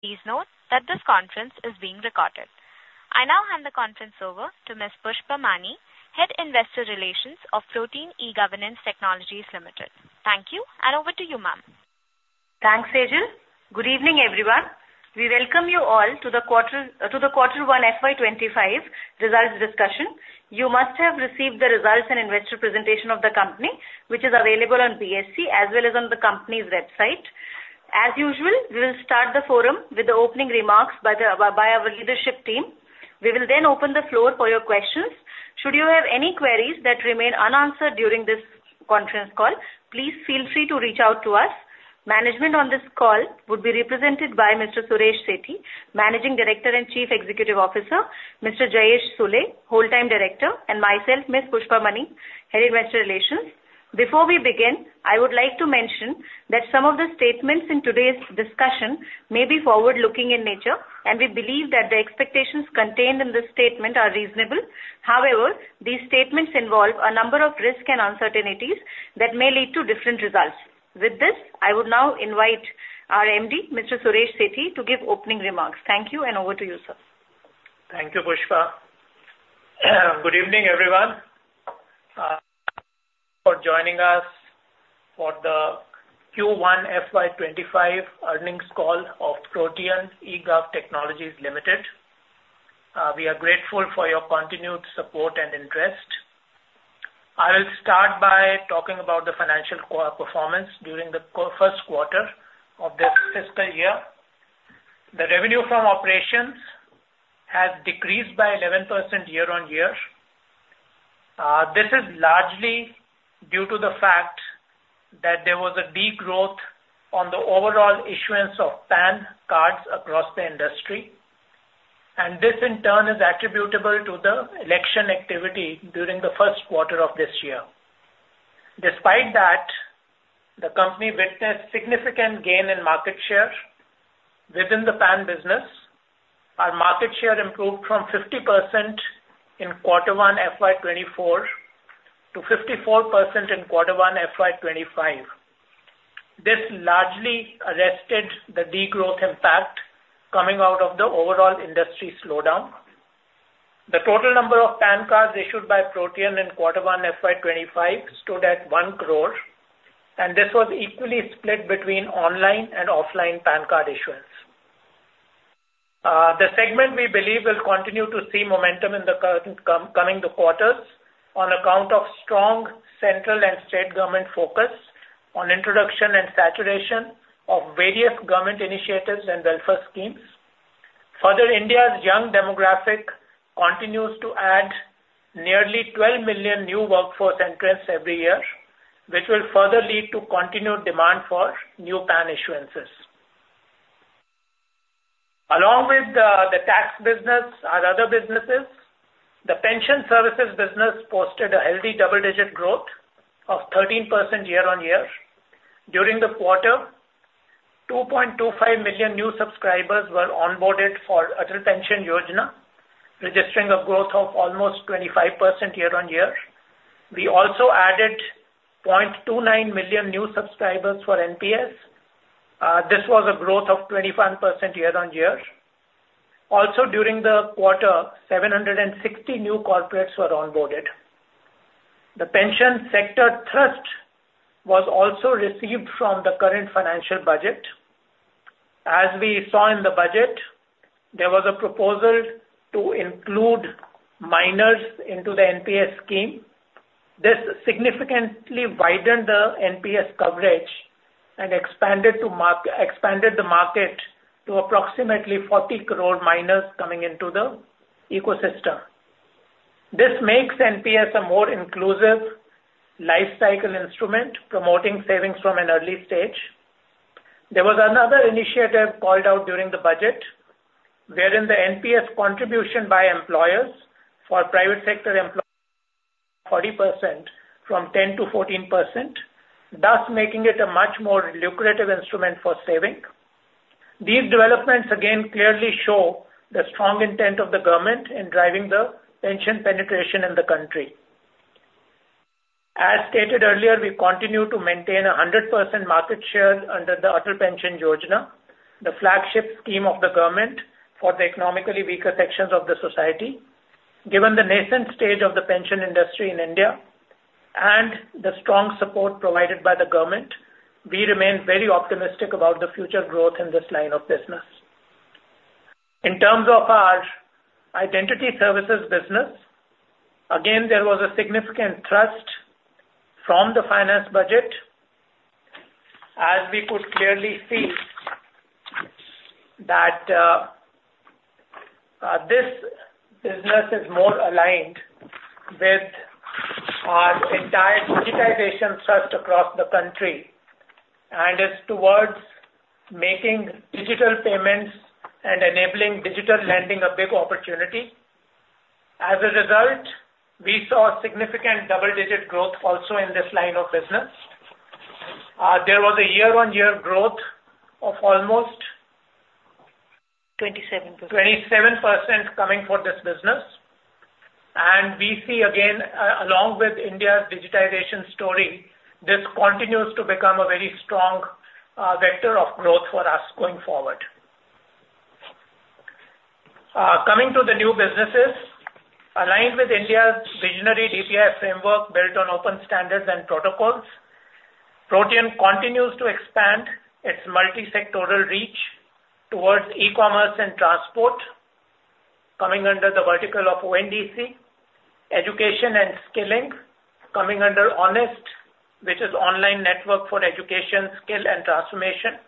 Please note that this conference is being recorded. I now hand the conference over to Ms. Pushpa Mani, Head Investor Relations of Protean eGovernance Technologies Limited. Thank you, and over to you, ma'am. Thanks, Sejal. Good evening, everyone. We welcome you all to the quarter, to the Quarter One FY 2025 Results Discussion. You must have received the results and investor presentation of the company, which is available on BSE as well as on the company's website. As usual, we will start the forum with the opening remarks by our leadership team. We will then open the floor for your questions. Should you have any queries that remain unanswered during this conference call, please feel free to reach out to us. Management on this call will be represented by Mr. Suresh Sethi, Managing Director and Chief Executive Officer, Mr. Jayesh Sule, Whole-time Director, and myself, Ms. Pushpa Mani, Head Investor Relations. Before we begin, I would like to mention that some of the statements in today's discussion may be forward-looking in nature, and we believe that the expectations contained in this statement are reasonable. However, these statements involve a number of risks and uncertainties that may lead to different results. With this, I would now invite our MD, Mr. Suresh Sethi, to give opening remarks. Thank you, and over to you, sir. Thank you, Pushpa. Good evening, everyone, for joining us for the Q1 FY 2025 earnings call of Protean eGovernance Technologies Limited. We are grateful for your continued support and interest. I will start by talking about the financial performance during the first quarter of this fiscal year. The revenue from operations has decreased by 11% year-on-year. This is largely due to the fact that there was a degrowth on the overall issuance of PAN cards across the industry, and this, in turn, is attributable to the election activity during the first quarter of this year. Despite that, the company witnessed significant gain in market share within the PAN business. Our market share improved from 50% in quarter one FY 2024 to 54% in quarter one FY 2025. This largely arrested the degrowth impact coming out of the overall industry slowdown. The total number of PAN cards issued by Protean in Quarter one FY 2025 stood at 1 crore, and this was equally split between online and offline PAN card issuance. The segment we believe will continue to see momentum in the current coming quarters on account of strong central and state government focus on introduction and saturation of various government initiatives and welfare schemes. Further, India's young demographic continues to add nearly 12 million new workforce entrants every year, which will further lead to continued demand for new PAN issuances. Along with the tax business and other businesses, the pension services business posted a healthy double-digit growth of 13% year-on-year. During the quarter, 2.25 million new subscribers were onboarded for Atal Pension Yojana, registering a growth of almost 25% year-on-year. We also added 0.29 million new subscribers for NPS. This was a growth of 25% year-on-year. Also, during the quarter, 760 new corporates were onboarded. The pension sector trust was also received from the current financial budget. As we saw in the budget, there was a proposal to include minors into the NPS scheme. This significantly widened the NPS coverage and expanded the market to approximately 40 crore minors coming into the ecosystem. This makes NPS a more inclusive lifecycle instrument, promoting savings from an early stage. There was another initiative called out during the budget, wherein the NPS contribution by employers for private sector employees 40% from 10% to 14%, thus making it a much more lucrative instrument for saving. These developments again clearly show the strong intent of the government in driving the pension penetration in the country. As stated earlier, we continue to maintain a 100% market share under the Atal Pension Yojana, the flagship scheme of the government for the economically weaker sections of the society. Given the nascent stage of the pension industry in India and the strong support provided by the government, we remain very optimistic about the future growth in this line of business. In terms of our identity services business, again, there was a significant thrust from the finance budget, as we could clearly see that, this business is more aligned with our entire digitization trust across the country, and it's towards making digital payments and enabling digital lending a big opportunity. As a result, we saw significant double-digit growth also in this line of business. There was a year-on-year growth of almost- 27%. 27% coming for this business. We see again, along with India's digitization story, this continues to become a very strong vector of growth for us going forward. Coming to the new businesses. Aligned with India's visionary DPI framework, built on open standards and protocols, Protean continues to expand its multisectoral reach towards e-commerce and transport, coming under the vertical of ONDC, education and skilling, coming under ONEST, which is Online Network for Education, Skill and Transformation,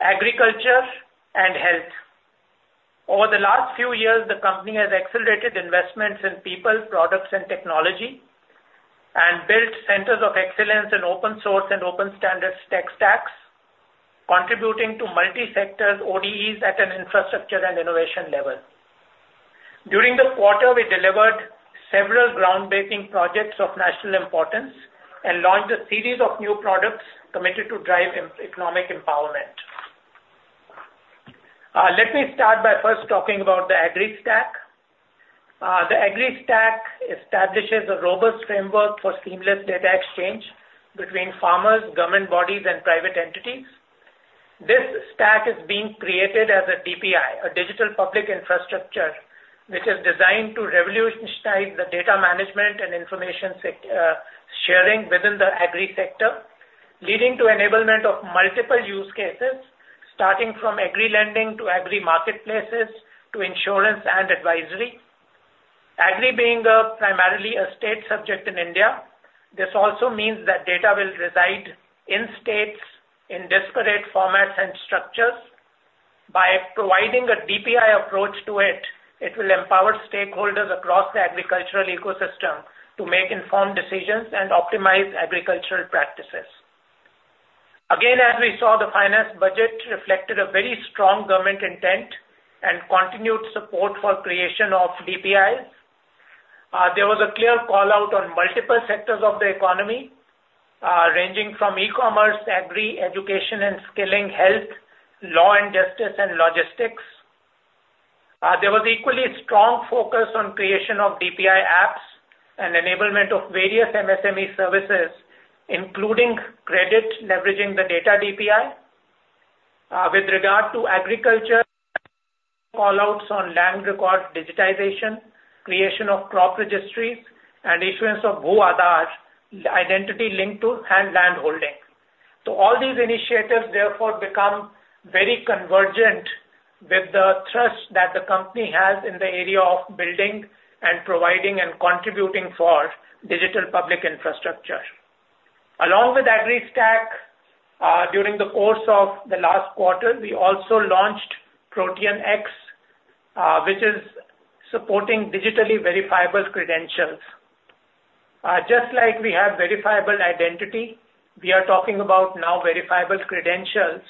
agriculture, and health. Over the last few years, the company has accelerated investments in people, products, and technology, and built centers of excellence in open source and open standards tech stacks, contributing to multi-sector ODEs at an infrastructure and innovation level. During the quarter, we delivered several groundbreaking projects of national importance and launched a series of new products committed to drive economic empowerment. Let me start by first talking about the AgriStack. The AgriStack establishes a robust framework for seamless data exchange between farmers, government bodies, and private entities. This stack is being created as a DPI, a digital public infrastructure, which is designed to revolutionize the data management and information sharing within the agri sector, leading to enablement of multiple use cases, starting from agri lending to agri marketplaces, to insurance and advisory. Agri being primarily a state subject in India, this also means that data will reside in states in disparate formats and structures. By providing a DPI approach to it, it will empower stakeholders across the agricultural ecosystem to make informed decisions and optimize agricultural practices. Again, as we saw, the finance budget reflected a very strong government intent and continued support for creation of DPIs. There was a clear call-out on multiple sectors of the economy, ranging from e-commerce, agri, education and skilling, health, law and justice, and logistics. There was equally strong focus on creation of DPI apps and enablement of various MSME services, including credit, leveraging the data DPI. With regard to agriculture, call-outs on land records digitization, creation of crop registries, and issuance of Bhu-Aadhaar, identity linked to and land holding. So all these initiatives therefore become very convergent with the trust that the company has in the area of building and providing and contributing for digital public infrastructure. Along with AgriStack, during the course of the last quarter, we also launched Protean X, which is supporting digitally verifiable credentials. Just like we have verifiable identity, we are talking about now verifiable credentials,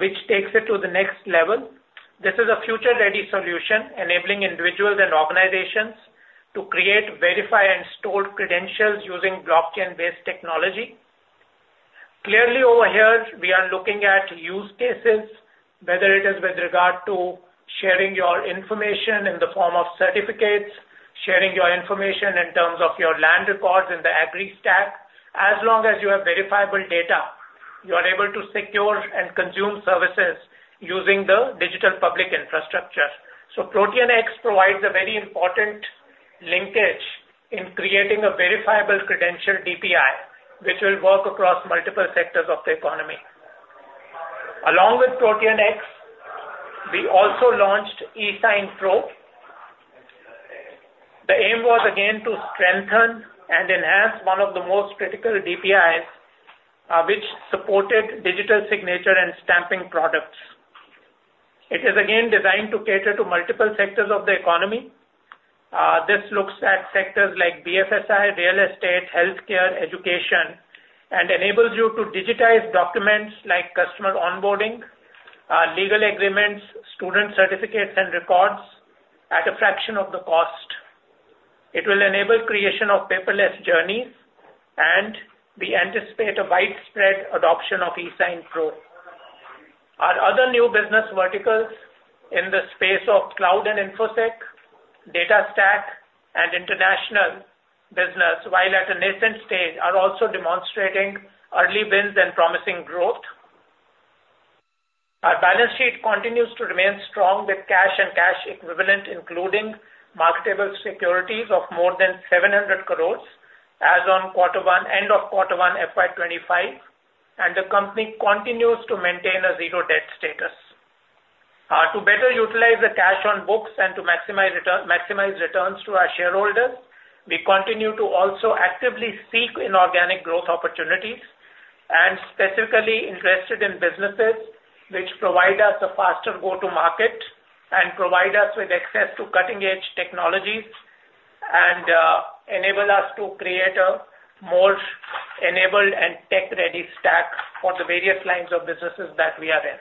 which takes it to the next level. This is a future-ready solution, enabling individuals and organizations to create, verify, and store credentials using blockchain-based technology. Clearly, over here, we are looking at use cases, whether it is with regard to sharing your information in the form of certificates, sharing your information in terms of your land records in the AgriStack. As long as you have verifiable data, you are able to secure and consume services using the digital public infrastructure. So ProteanX provides a very important linkage in creating a verifiable credential DPI, which will work across multiple sectors of the economy. Along with ProteanX, we also launched eSignPro. The aim was again to strengthen and enhance one of the most critical DPIs, which supported digital signature and stamping products. It is again designed to cater to multiple sectors of the economy. This looks at sectors like BFSI, real estate, healthcare, education, and enables you to digitize documents like customer onboarding, legal agreements, student certificates and records at a fraction of the cost. It will enable creation of paperless journeys, and we anticipate a widespread adoption of eSign Pro. Our other new business verticals in the space of cloud and InfoSec, data stack, and international business, while at a nascent stage, are also demonstrating early wins and promising growth. Our balance sheet continues to remain strong, with cash and cash equivalent, including marketable securities of more than 700 crore, as on end of quarter one, FY 2025, and the company continues to maintain a zero debt status. To better utilize the cash on books and to maximize return, maximize returns to our shareholders, we continue to also actively seek inorganic growth opportunities, and specifically interested in businesses which provide us a faster go-to-market and provide us with access to cutting-edge technologies and enable us to create a more enabled and tech-ready stack for the various lines of businesses that we are in.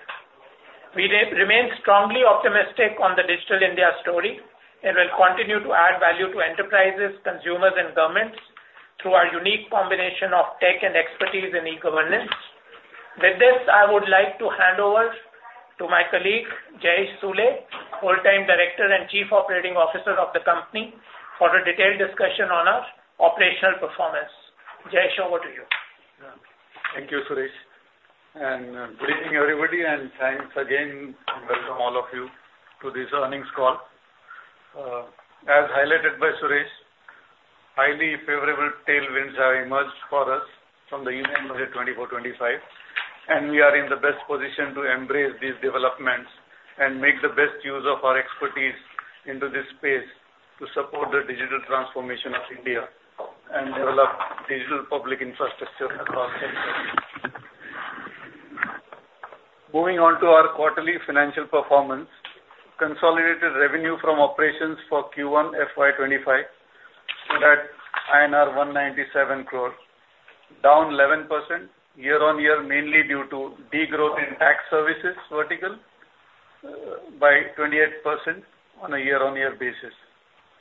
We remain strongly optimistic on the Digital India story and will continue to add value to enterprises, consumers, and governments through our unique combination of tech and expertise in e-governance. With this, I would like to hand over to my colleague, Jayesh Sule, Whole-time Director and Chief Operating Officer of the company, for a detailed discussion on our operational performance. Jayesh, over to you. Thank you, Suresh, and good evening, everybody, and thanks again and welcome all of you to this earnings call. As highlighted by Suresh, highly favorable tailwinds have emerged for us from the Union Budget 2024-2025, and we are in the best position to embrace these developments and make the best use of our expertise into this space to support the digital transformation of India and develop digital public infrastructure across the country. Moving on to our quarterly financial performance. Consolidated revenue from operations for Q1 FY 2025 stood at INR 197 crore, down 11% year-on-year, mainly due to degrowth in tax services vertical, by 28% on a year-on-year basis.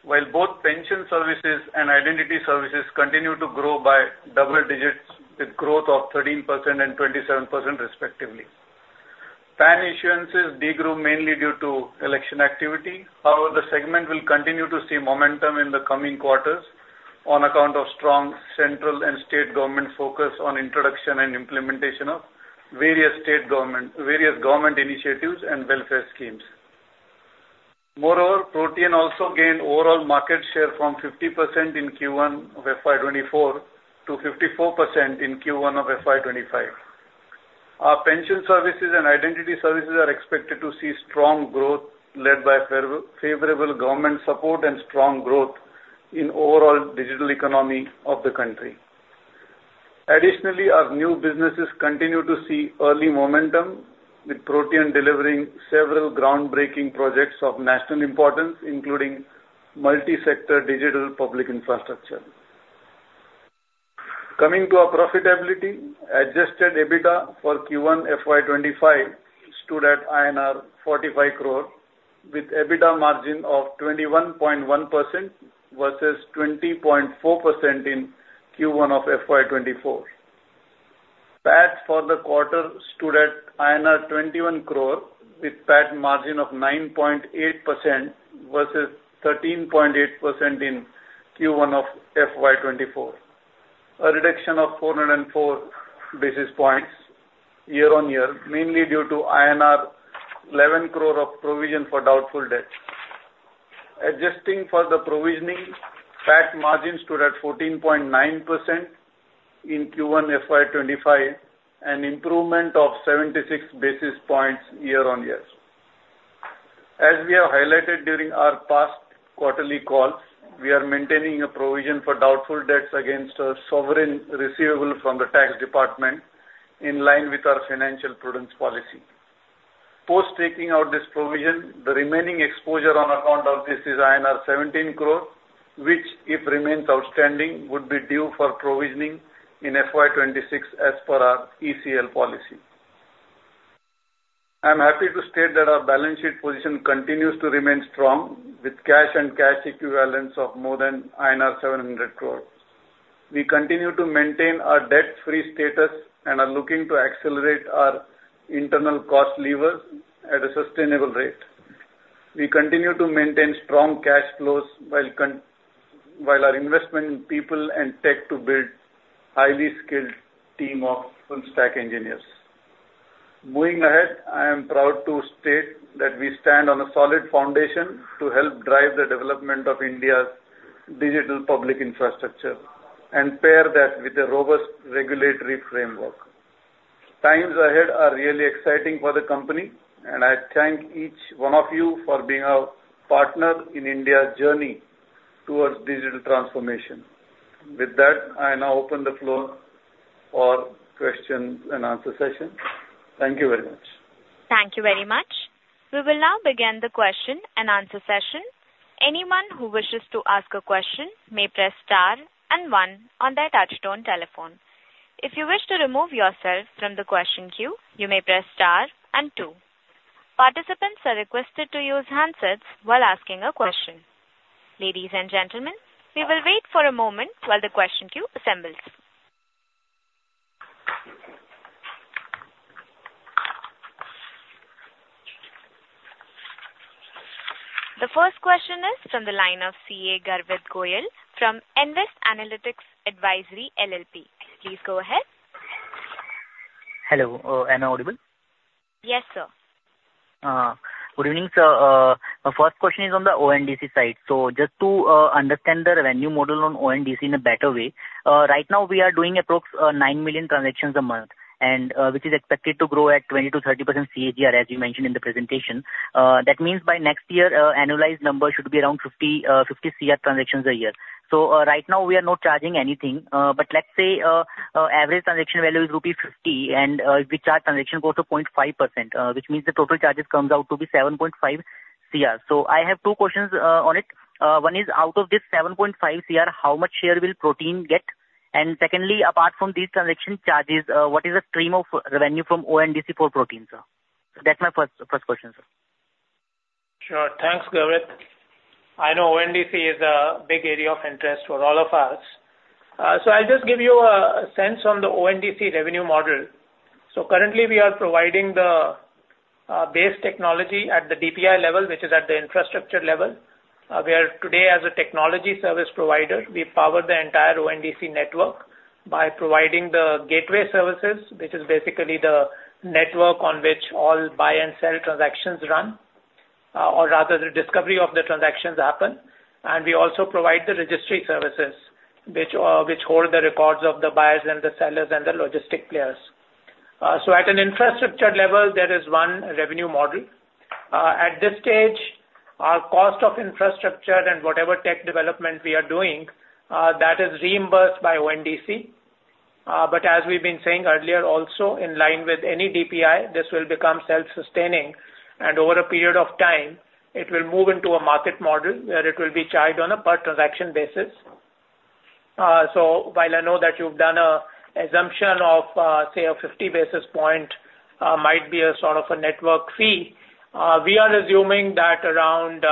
While both pension services and identity services continue to grow by double digits, with growth of 13% and 27% respectively. PAN issuances degrew mainly due to election activity. However, the segment will continue to see momentum in the coming quarters on account of strong central and state government focus on introduction and implementation of various state government various government initiatives and welfare schemes. Moreover, Protean also gained overall market share from 50% in Q1 of FY 2024 to 54% in Q1 of FY 2025. Our pension services and identity services are expected to see strong growth, led by favorable government support and strong growth in overall digital economy of the country. Additionally, our new businesses continue to see early momentum, with Protean delivering several groundbreaking projects of national importance, including multi-sector digital public infrastructure. Coming to our profitability, adjusted EBITDA for Q1 FY 2025 stood at INR 45 crore, with EBITDA margin of 21.1% versus 20.4% in Q1 of FY 2024. PAT for the quarter stood at INR 21 crore, with PAT margin of 9.8% versus 13.8% in Q1 of FY 2024, a reduction of 404 basis points year-on-year, mainly due to INR 11 crore of provision for doubtful debt. Adjusting for the provisioning, PAT margin stood at 14.9% in Q1 FY 2025, an improvement of 76 basis points year-on-year. As we have highlighted during our past quarterly calls, we are maintaining a provision for doubtful debts against our sovereign receivable from the tax department, in line with our financial prudence policy. Post taking out this provision, the remaining exposure on account of this is INR 17 crore, which, if remains outstanding, would be due for provisioning in FY 2026 as per our ECL policy. I'm happy to state that our balance sheet position continues to remain strong, with cash and cash equivalents of more than INR 700 crore. We continue to maintain our debt-free status and are looking to accelerate our internal cost lever at a sustainable rate. We continue to maintain strong cash flows while our investment in people and tech to build highly skilled team of full stack engineers. Moving ahead, I am proud to state that we stand on a solid foundation to help drive the development of India's digital public infrastructure and pair that with a robust regulatory framework. Times ahead are really exciting for the company, and I thank each one of you for being our partner in India's journey towards digital transformation. With that, I now open the floor for questions and answer session. Thank you very much. Thank you very much. We will now begin the question and answer session. Anyone who wishes to ask a question may press star and one on their touchtone telephone. If you wish to remove yourself from the question queue, you may press star and two. Participants are requested to use handsets while asking a question. Ladies and gentlemen, we will wait for a moment while the question queue assembles. The first question is from the line of CA Garvit Goyal from Nvest Analytics Advisory LLP. Please go ahead. Hello, am I audible? Yes, sir. Good evening, sir. My first question is on the ONDC side. So just to understand the revenue model on ONDC in a better way, right now we are doing approx 9 million transactions a month, and which is expected to grow at 20%-30% CAGR, as you mentioned in the presentation. That means by next year, annualized number should be around 50 crore transactions a year. So right now we are not charging anything, but let's say average transaction value is 50 rupees, and we charge transaction go to 0.5%, which means the total charges comes out to be 7.5 crore. So I have two questions on it. One is, out of this 7.5 crore, how much share will Protean get? And secondly, apart from these transaction charges, what is the stream of revenue from ONDC for Protean, sir? That's my first, first question, sir. Sure. Thanks, Garvit. I know ONDC is a big area of interest for all of us. So I'll just give you a sense on the ONDC revenue model. So currently, we are providing the base technology at the DPI level, which is at the infrastructure level. We are today as a technology service provider, we power the entire ONDC network by providing the gateway services, which is basically the network on which all buy and sell transactions run, or rather, the discovery of the transactions happen. And we also provide the registry services, which hold the records of the buyers and the sellers and the logistics players. So at an infrastructure level, there is one revenue model. At this stage, our cost of infrastructure and whatever tech development we are doing, that is reimbursed by ONDC. But as we've been saying earlier also, in line with any DPI, this will become self-sustaining, and over a period of time, it will move into a market model, where it will be charged on a per transaction basis. So while I know that you've done an assumption of, say, a 50 basis point, might be a sort of a network fee, we are assuming that around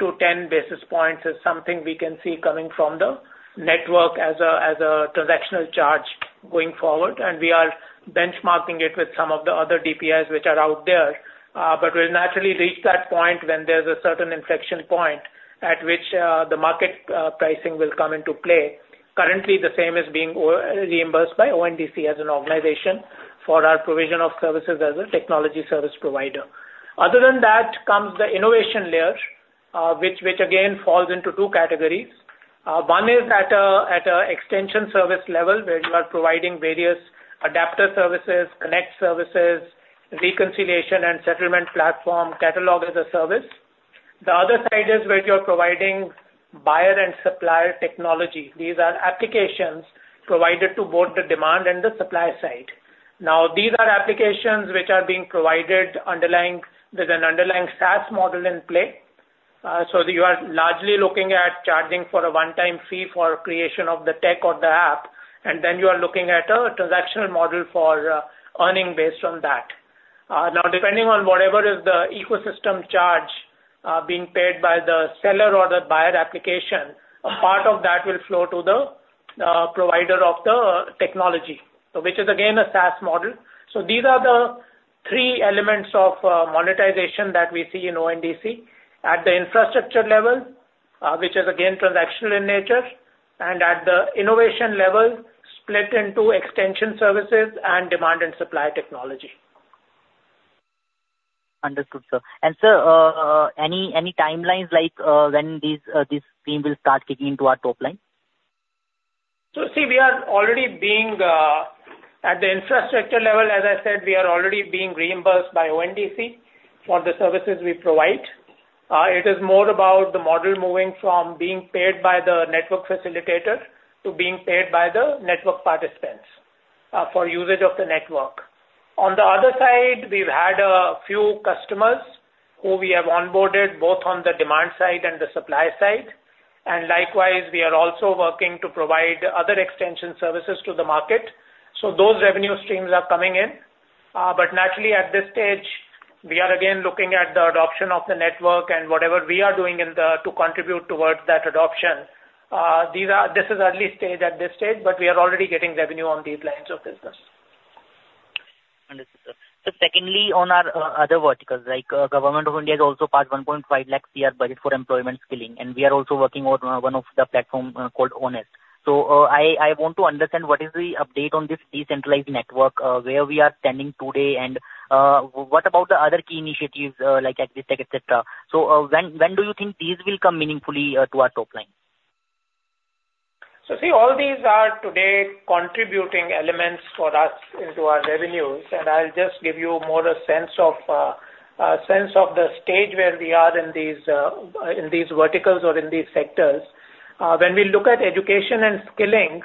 8-10 basis points is something we can see coming from the network as a, as a transactional charge going forward. And we are benchmarking it with some of the other DPIs which are out there. But we'll naturally reach that point when there's a certain inflection point at which, the market, pricing will come into play. Currently, the same is being reimbursed by ONDC as an organization for our provision of services as a technology service provider. Other than that, comes the innovation layer, which again, falls into two categories. One is at an extension service level, where you are providing various adapter services, connect services, reconciliation and settlement platform, catalog as a service. The other side is where you're providing buyer and supplier technology. These are applications provided to both the demand and the supply side. Now, these are applications which are being provided underlying, there's an underlying SaaS model in play. So you are largely looking at charging for a one-time fee for creation of the tech or the app, and then you are looking at a transactional model for earning based on that. Now, depending on whatever is the ecosystem charge being paid by the seller or the buyer application, a part of that will flow to the provider of the technology, so which is again a SaaS model. So these are the three elements of monetization that we see in ONDC. At the infrastructure level, which is again transactional in nature, and at the innovation level, split into extension services and demand and supply technology. Understood, sir. Sir, any timelines like when this team will start kicking into our top line? So, see, at the infrastructure level, as I said, we are already being reimbursed by ONDC for the services we provide. It is more about the model moving from being paid by the network facilitator to being paid by the network participants for usage of the network. On the other side, we've had a few customers who we have onboarded, both on the demand side and the supply side, and likewise, we are also working to provide other extension services to the market. So those revenue streams are coming in. But naturally, at this stage, we are again looking at the adoption of the network and whatever we are doing to contribute towards that adoption. This is early stage at this stage, but we are already getting revenue on these lines of business. Understood, sir. So secondly, on our other verticals, like, Government of India has also passed 1.5 lakh per year budget for employment skilling, and we are also working on one of the platform called HONEST. So, I want to understand what is the update on this decentralized network, where we are standing today, and what about the other key initiatives, like AgriStack, et cetera? So, when do you think these will come meaningfully to our top line? So see, all these are today contributing elements for us into our revenues, and I'll just give you more a sense of, a sense of the stage where we are in these, in these verticals or in these sectors. When we look at education and skilling,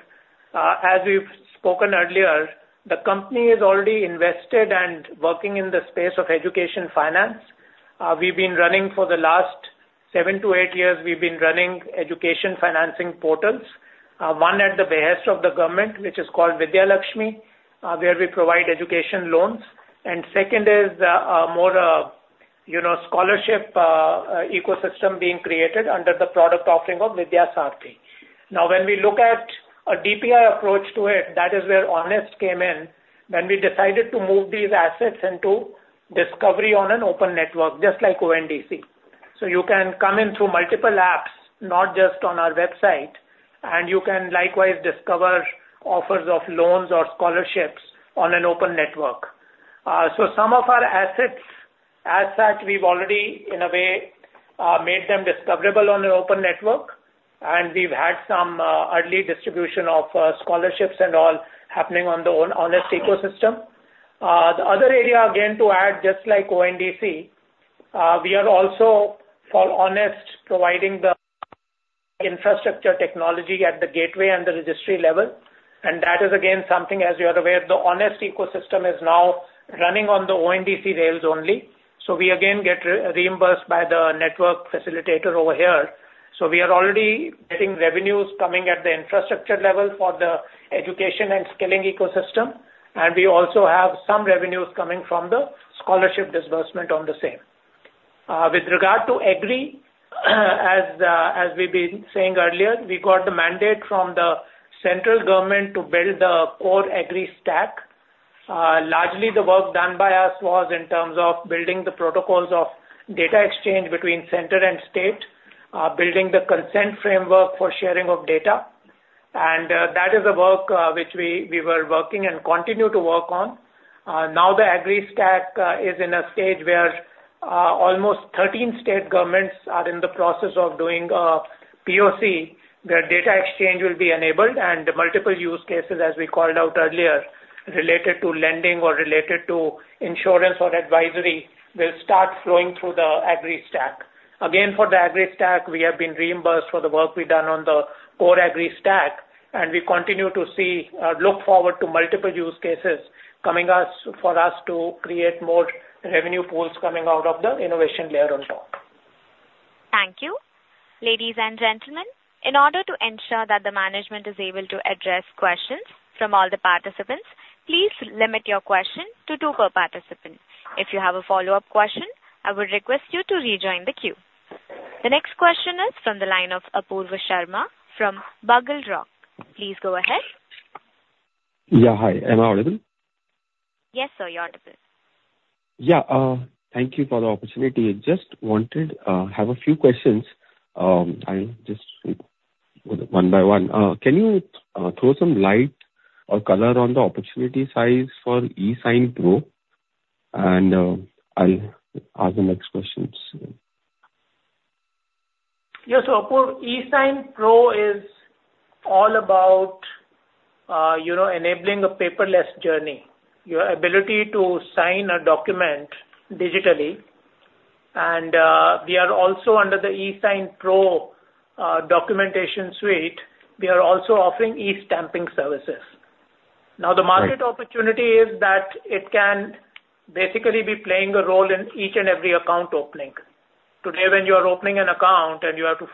as we've spoken earlier, the company is already invested and working in the space of education finance. We've been running for the last seven to eight years, we've been running education financing portals. One at the behest of the government, which is called Vidya Lakshmi, where we provide education loans. And second is, a more, you know, scholarship, ecosystem being created under the product offering of Vidyasaarathi. Now, when we look at a DPI approach to it, that is where Honest came in, when we decided to move these assets into discovery on an open network, just like ONDC. So you can come in through multiple apps, not just on our website, and you can likewise discover offers of loans or scholarships on an open network. So some of our assets, as such, we've already, in a way, made them discoverable on an open network, and we've had some early distribution of scholarships and all happening on the own Honest ecosystem. The other area, again, to add, just like ONDC, we are also, for Honest, providing the infrastructure technology at the gateway and the registry level, and that is, again, something as you are aware, the Honest ecosystem is now running on the ONDC rails only. So we again get reimbursed by the network facilitator over here. So we are already getting revenues coming at the infrastructure level for the education and skilling ecosystem, and we also have some revenues coming from the scholarship disbursement on the same. With regard to Agri, as we've been saying earlier, we got the mandate from the central government to build the core AgriStack. Largely the work done by us was in terms of building the protocols of data exchange between center and state, building the consent framework for sharing of data, and that is a work which we were working and continue to work on. Now the AgriStack is in a stage where almost 13 state governments are in the process of doing POC, where data exchange will be enabled and multiple use cases, as we called out earlier, related to lending or related to insurance or advisory, will start flowing through the AgriStack. Again, for the AgriStack, we have been reimbursed for the work we've done on the core AgriStack, and we continue to see, look forward to multiple use cases coming for us to create more revenue pools coming out of the innovation layer on top. Thank you. Ladies and gentlemen, in order to ensure that the management is able to address questions from all the participants, please limit your question to two per participant. If you have a follow-up question, I would request you to rejoin the queue. The next question is from the line of Apurva Sharma from BugleRock. Please go ahead. Yeah, hi. Am I audible? Yes, sir, you're audible. Yeah, thank you for the opportunity. Just wanted, have a few questions. I'll just one by one. Can you, throw some light or color on the opportunity size for eSign Pro? And, I'll ask the next questions. Yeah, so Apurva, eSign Pro is all about, you know, enabling a paperless journey, your ability to sign a document digitally. And we are also under the eSign Pro documentation suite, we are also offering e-stamping services. Now, the market opportunity is that it can basically be playing a role in each and every account opening. Today, when you are opening an account and you have to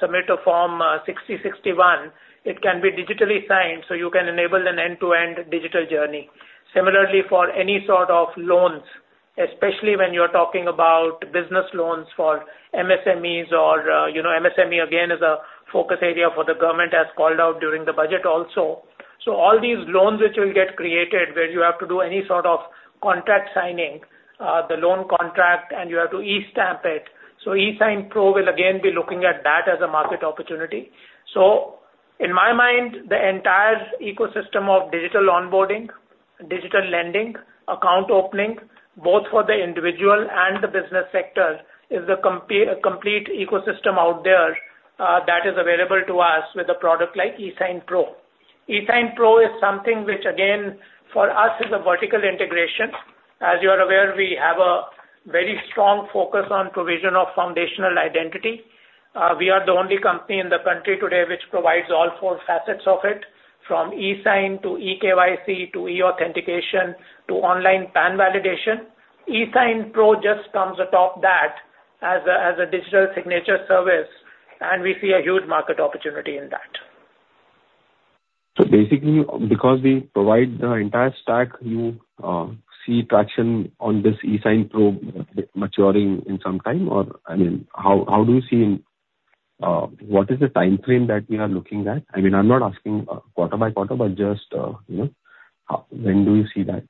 submit a form 60/61, it can be digitally signed, so you can enable an end-to-end digital journey. Similarly, for any sort of loans, especially when you're talking about business loans for MSMEs or, you know, MSME again is a focus area for the government, as called out during the budget also. So all these loans which will get created, where you have to do any sort of contract signing, the loan contract, and you have to e-stamp it. So eSign Pro will again be looking at that as a market opportunity. So in my mind, the entire ecosystem of digital onboarding, digital lending, account opening, both for the individual and the business sector, is a complete ecosystem out there that is available to us with a product like eSign Pro. eSign Pro is something which, again, for us is a vertical integration. As you are aware, we have a very strong focus on provision of foundational identity. We are the only company in the country today which provides all four facets of it, from eSign to eKYC, to eAuthentication, to online PAN validation. eSign Pro just comes atop that as a digital signature service, and we see a huge market opportunity in that. So basically, because we provide the entire stack, you see traction on this eSign Pro maturing in some time? Or, I mean, how, how do you see what is the time frame that we are looking at? I mean, I'm not asking quarter-by-quarter, but just, you know, when do you see that?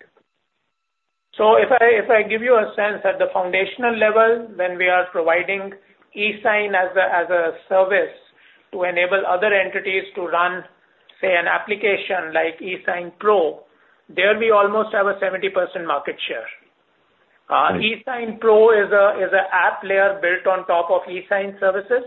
If I give you a sense, at the foundational level, when we are providing eSign as a service to enable other entities to run, say, an application like eSign Pro, there we almost have a 70% market share. eSign Pro is an app layer built on top of eSign services,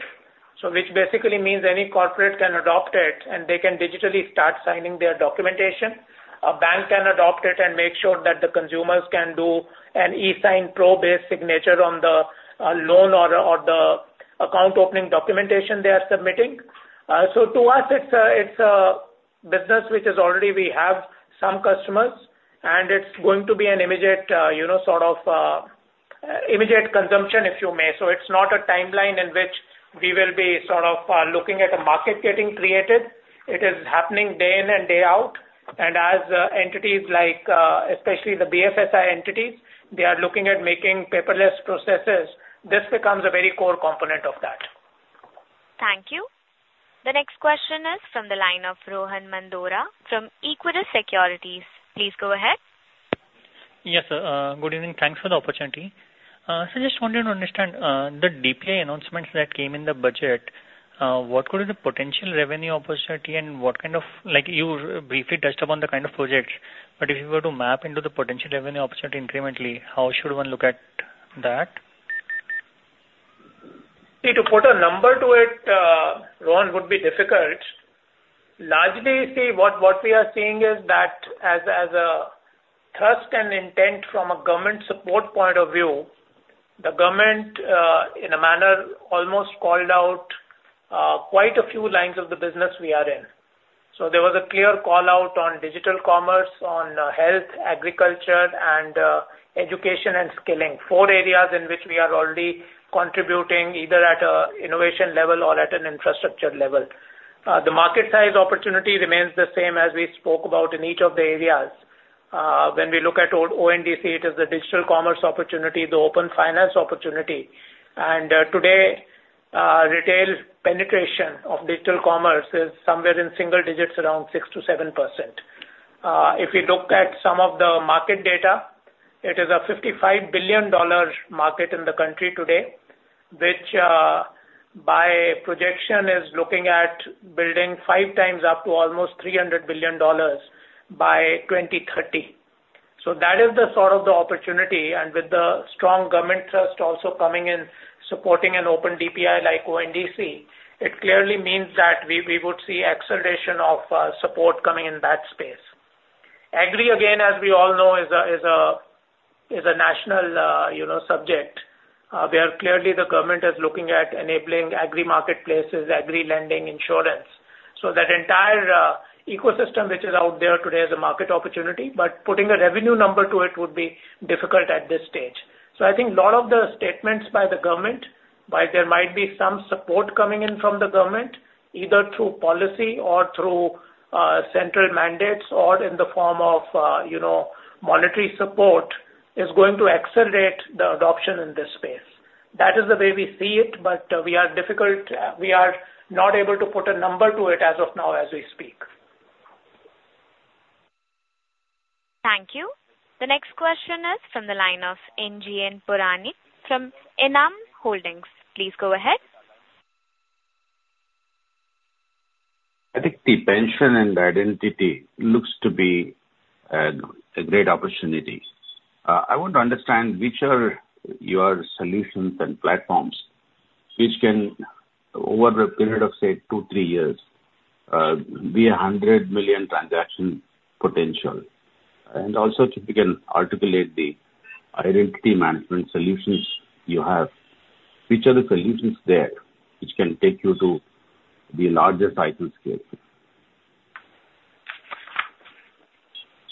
so which basically means any corporate can adopt it, and they can digitally start signing their documentation. A bank can adopt it and make sure that the consumers can do an eSign Pro-based signature on the loan or the account opening documentation they are submitting. So to us, it's a business which we already have some customers, and it's going to be an immediate, you know, sort of, immediate consumption, if you may. So it's not a timeline in which we will be sort of looking at a market getting created. It is happening day in and day out. And as entities like, especially the BFSI entities, they are looking at making paperless processes, this becomes a very core component of that. Thank you. The next question is from the line of Rohan Mandora from Equirus Securities. Please go ahead. Yes, sir, good evening. Thanks for the opportunity. So just wanted to understand, the DPI announcements that came in the budget, what could be the potential revenue opportunity and what kind of... Like, you briefly touched upon the kind of projects, but if you were to map into the potential revenue opportunity incrementally, how should one look at that? See, to put a number to it, Rohan, would be difficult. Largely, see, what we are seeing is that as a trust and intent from a government support point of view, the government, in a manner, almost called out, quite a few lines of the business we are in. So there was a clear call-out on digital commerce, on health, agriculture, and education and skilling. Four areas in which we are already contributing, either at an innovation level or at an infrastructure level. The market size opportunity remains the same as we spoke about in each of the areas. When we look at ONDC, it is a digital commerce opportunity, the open finance opportunity. And today, retail penetration of digital commerce is somewhere in single digits, around 6%-7%. If we look at some of the market data, it is a $55 billion market in the country today, which, by projection, is looking at building five times up to almost $300 billion by 2030. So that is the sort of the opportunity, and with the strong government trust also coming in, supporting an open DPI like ONDC, it clearly means that we would see acceleration of support coming in that space. Agri, again, as we all know, is a national, you know, subject, where clearly the government is looking at enabling agri-marketplaces, agri lending insurance. So that entire ecosystem which is out there today, is a market opportunity, but putting a revenue number to it would be difficult at this stage. So I think a lot of the statements by the government, while there might be some support coming in from the government, either through policy or through central mandates, or in the form of, you know, monetary support, is going to accelerate the adoption in this space. That is the way we see it, but we are not able to put a number to it as of now, as we speak. Thank you. The next question is from the line of NGN Puranik from ENAM Holdings. Please go ahead. I think the pension and identity looks to be a great opportunity. I want to understand which are your solutions and platforms which can, over a period of, say, two to three years, be a 100 million transaction potential. Also, if you can articulate the identity management solutions you have, which are the solutions there, which can take you to the larger item scale?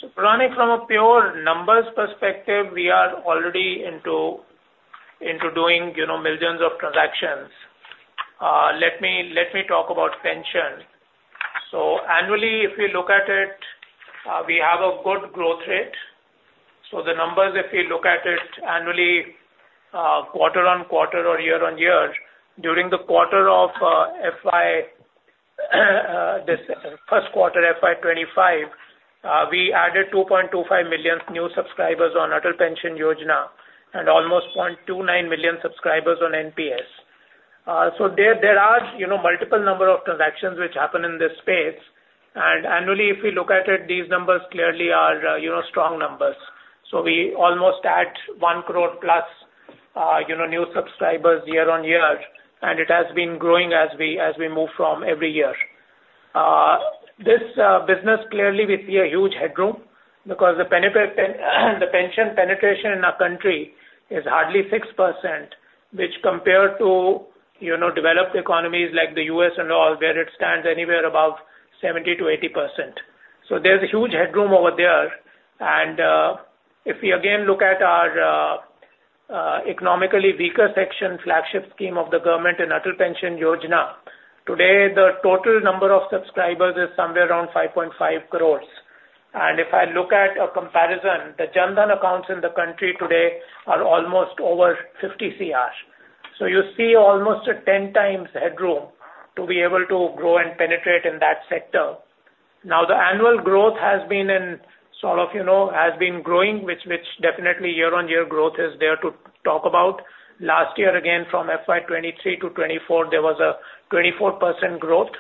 So running from a pure numbers perspective, we are already into doing, you know, millions of transactions. Let me talk about pension. So annually, if you look at it, we have a good growth rate. So the numbers, if we look at it annually, quarter-on-quarter or year-on-year, during the quarter of this first quarter, FY 2025, we added 2.25 million new subscribers on Atal Pension Yojana, and almost 0.29 million subscribers on NPS. So there are, you know, multiple number of transactions which happen in this space. And annually, if we look at it, these numbers clearly are, you know, strong numbers. So we almost add 1 crore plus, you know, new subscribers year-over-year, and it has been growing as we move from every year. This business, clearly we see a huge headroom because the pension penetration in our country is hardly 6%, which compared to, you know, developed economies like the U.S. and all, where it stands anywhere above 70%-80%. So there's a huge headroom over there. And if we again look at our economically weaker section, flagship scheme of the government in Atal Pension Yojana, today, the total number of subscribers is somewhere around 5.5 crores. And if I look at a comparison, the Jan Dhan accounts in the country today are almost over 50 cr. So you see almost a 10 times headroom to be able to grow and penetrate in that sector. Now, the annual growth has been in sort of, you know, has been growing, which, which definitely year-on-year growth is there to talk about. Last year, again, from FY 2023 to 2024, there was a 24% growth,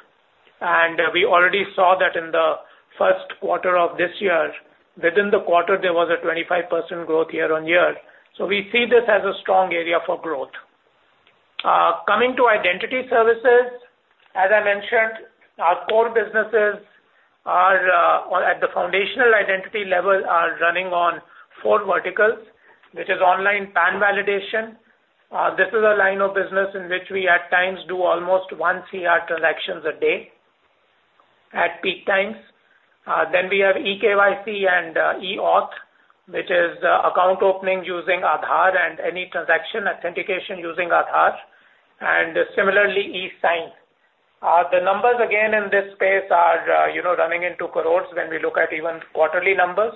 and we already saw that in the first quarter of this year. Within the quarter, there was a 25% growth year on year. So we see this as a strong area for growth. Coming to identity services, as I mentioned, our core businesses are, or at the foundational identity level, are running on four verticals. Which is online PAN validation. This is a line of business in which we at times do almost one cr transactions a day at peak times. Then we have eKYC and eAuth, which is the account opening using Aadhaar and any transaction authentication using Aadhaar, and similarly, eSign. The numbers again in this space are, you know, running into crores when we look at even quarterly numbers.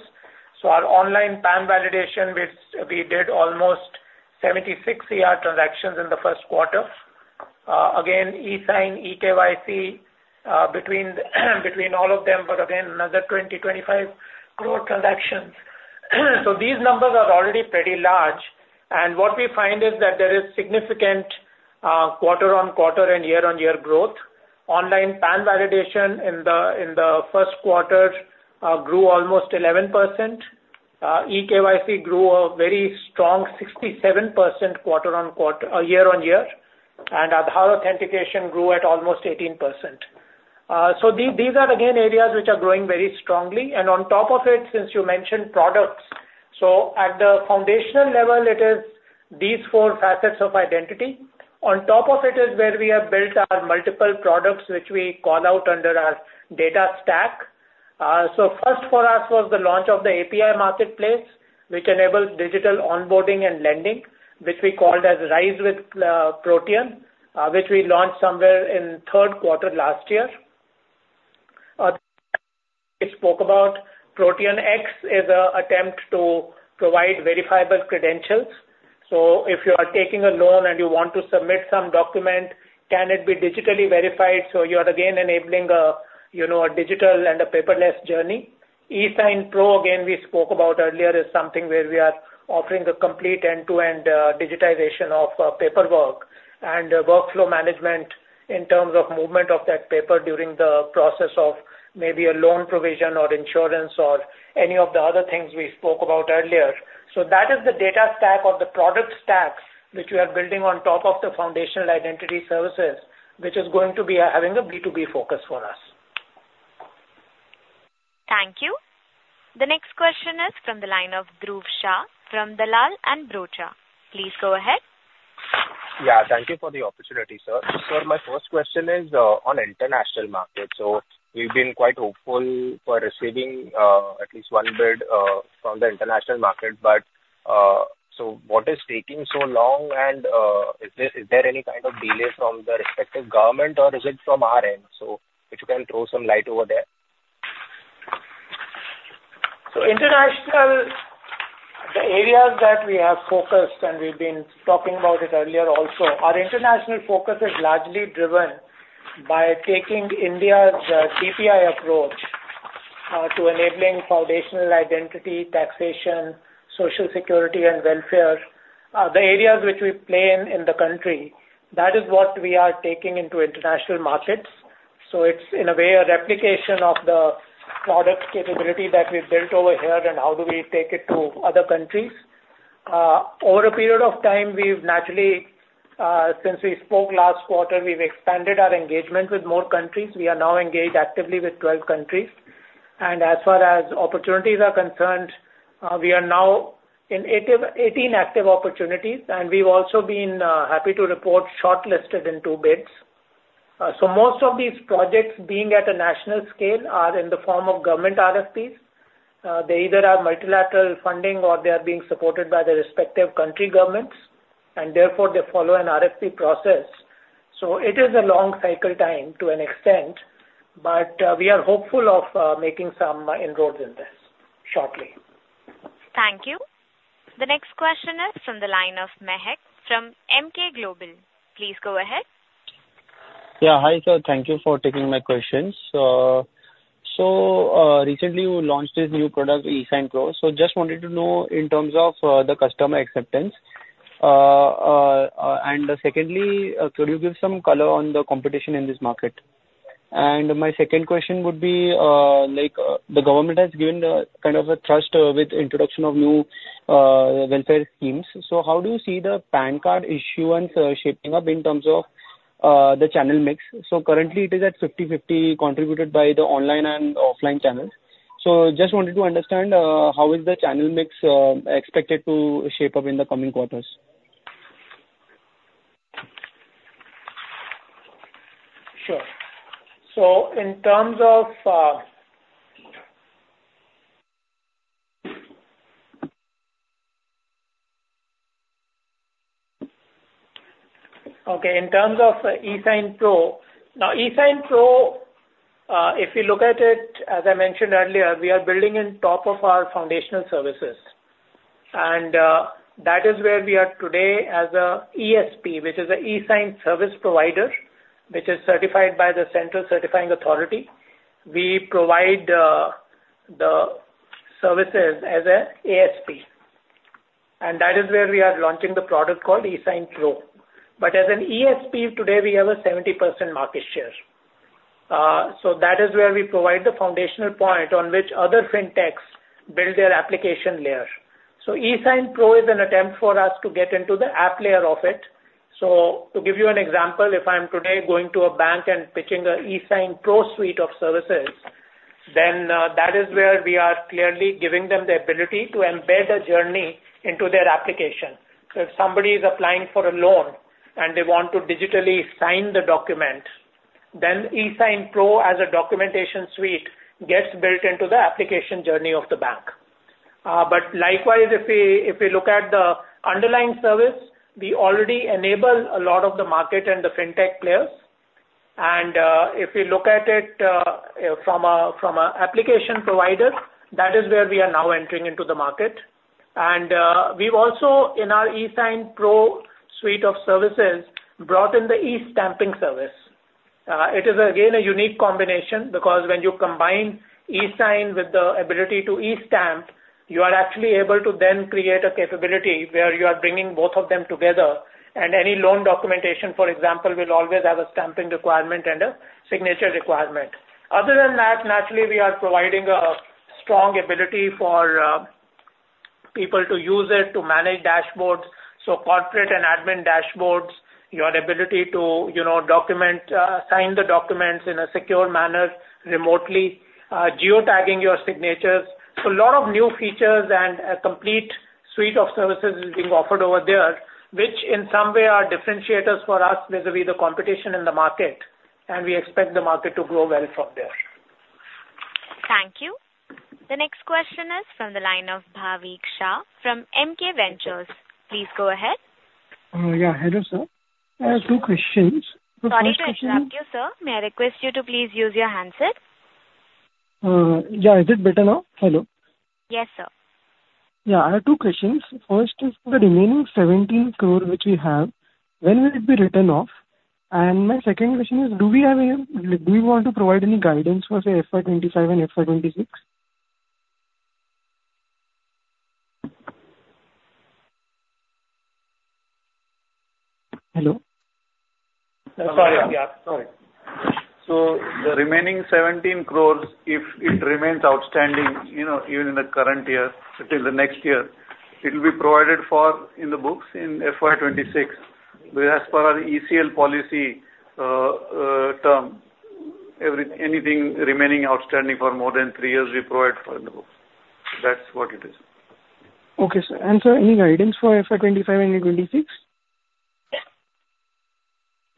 So our online PAN validation, which we did almost 76 cr transactions in the first quarter. Again, eSign, eKYC, between all of them, but again, another 25 crore transactions. So these numbers are already pretty large, and what we find is that there is significant quarter-on-quarter and year-on-year growth. Online PAN validation in the first quarter grew almost 11%. eKYC grew a very strong 67% quarter-on-quarter, year on year, and Aadhaar authentication grew at almost 18%. So these, these are again areas which are growing very strongly, and on top of it, since you mentioned products. So at the foundational level, it is these four facets of identity. On top of it is where we have built our multiple products, which we call out under our data stack. So first for us was the launch of the API marketplace, which enables digital onboarding and lending, which we called as Rise with Protean, which we launched somewhere in third quarter last year. We spoke about ProteanX is an attempt to provide verifiable credentials. So if you are taking a loan and you want to submit some document, can it be digitally verified? So you are again enabling a, you know, a digital and a paperless journey. eSign Pro, again, we spoke about earlier, is something where we are offering the complete end-to-end, digitization of, paperwork and workflow management in terms of movement of that paper during the process of maybe a loan provision or insurance or any of the other things we spoke about earlier. So that is the data stack or the product stacks which we are building on top of the foundational identity services, which is going to be, having a B2B focus for us. Thank you. The next question is from the line of Dhruv Shah, from Dalal & Broacha. Please go ahead. Yeah, thank you for the opportunity, sir. Sir, my first question is on international market. So we've been quite hopeful for receiving at least one bid from the international market. But so what is taking so long, and is there any kind of delay from the respective government or is it from our end? So if you can throw some light over there. So international, the areas that we have focused, and we've been talking about it earlier also, our international focus is largely driven by taking India's DPI approach to enabling foundational identity, taxation, Social Security and welfare. The areas which we play in, in the country, that is what we are taking into international markets. So it's, in a way, a replication of the product capability that we've built over here and how do we take it to other countries. Over a period of time, we've naturally, since we spoke last quarter, we've expanded our engagement with more countries. We are now engaged actively with 12 countries, and as far as opportunities are concerned, we are now in 18 active opportunities, and we've also been happy to report shortlisted in two bids. So most of these projects, being at a national scale, are in the form of government RFPs. They either have multilateral funding or they are being supported by the respective country governments, and therefore they follow an RFP process. So it is a long cycle time to an extent, but we are hopeful of making some inroads in this shortly. Thank you. The next question is from the line of Mehak from Emkay Global Financial Services. Please go ahead. Yeah. Hi, sir. Thank you for taking my questions. So, recently you launched this new product, eSign Pro. So just wanted to know in terms of the customer acceptance. And secondly, could you give some color on the competition in this market? And my second question would be, like, the government has given a kind of a trust with introduction of new welfare schemes. So how do you see the PAN card issuance shaping up in terms of the channel mix? So currently it is at 50/50, contributed by the online and offline channels. So just wanted to understand how is the channel mix expected to shape up in the coming quarters? Sure. So in terms of, Okay, in terms of eSign Pro, now, eSign Pro, if you look at it, as I mentioned earlier, we are building on top of our foundational services, and, that is where we are today as an ESP, which is an eSign service provider, which is certified by the central certifying authority. We provide the services as an ASP, and that is where we are launching the product called eSign Pro. But as an ESP, today, we have a 70% market share. So that is where we provide the foundational point on which other Fintechs build their application layer. So eSign Pro is an attempt for us to get into the app layer of it. So to give you an example, if I'm today going to a bank and pitching an eSign Pro suite of services, then that is where we are clearly giving them the ability to embed a journey into their application. So if somebody is applying for a loan and they want to digitally sign the document, then eSign Pro, as a documentation suite, gets built into the application journey of the bank. But likewise, if we look at the underlying service, we already enable a lot of the market and the Fintech players. And if we look at it from an application provider, that is where we are now entering into the market. And we've also, in our eSign Pro suite of services, brought in the e-stamping service. It is again, a unique combination, because when you combine eSign with the ability to e-stamp, you are actually able to then create a capability where you are bringing both of them together, and any loan documentation, for example, will always have a stamping requirement and a signature requirement. Other than that, naturally, we are providing a strong ability for people to use it to manage dashboards, so corporate and admin dashboards, your ability to, you know, document, sign the documents in a secure manner remotely, geotagging your signatures. So a lot of new features and a complete suite of services is being offered over there, which in some way are differentiators for us vis-a-vis the competition in the market, and we expect the market to grow well from there. Thank you. The next question is from the line of Bhavik Shah from MK Ventures. Please go ahead. Yeah. Hello, sir. I have two questions. The first question- Sorry to interrupt you, sir. May I request you to please use your handset? Yeah. Is it better now? Hello. Yes, sir. Yeah, I have two questions. First is, the remaining 17 crore, which we have, when will it be written off? And my second question is, do we have any- do you want to provide any guidance for, say, FY 2025 and FY 2026? Hello? Sorry. Yeah, sorry. So the remaining 17 crore, if it remains outstanding, you know, even in the current year until the next year, it will be provided for in the books in FY 2026. But as per our ECL policy term, anything remaining outstanding for more than three years, we provide for in the books. That's what it is. Okay, sir. Sir, any guidance for FY 2025 and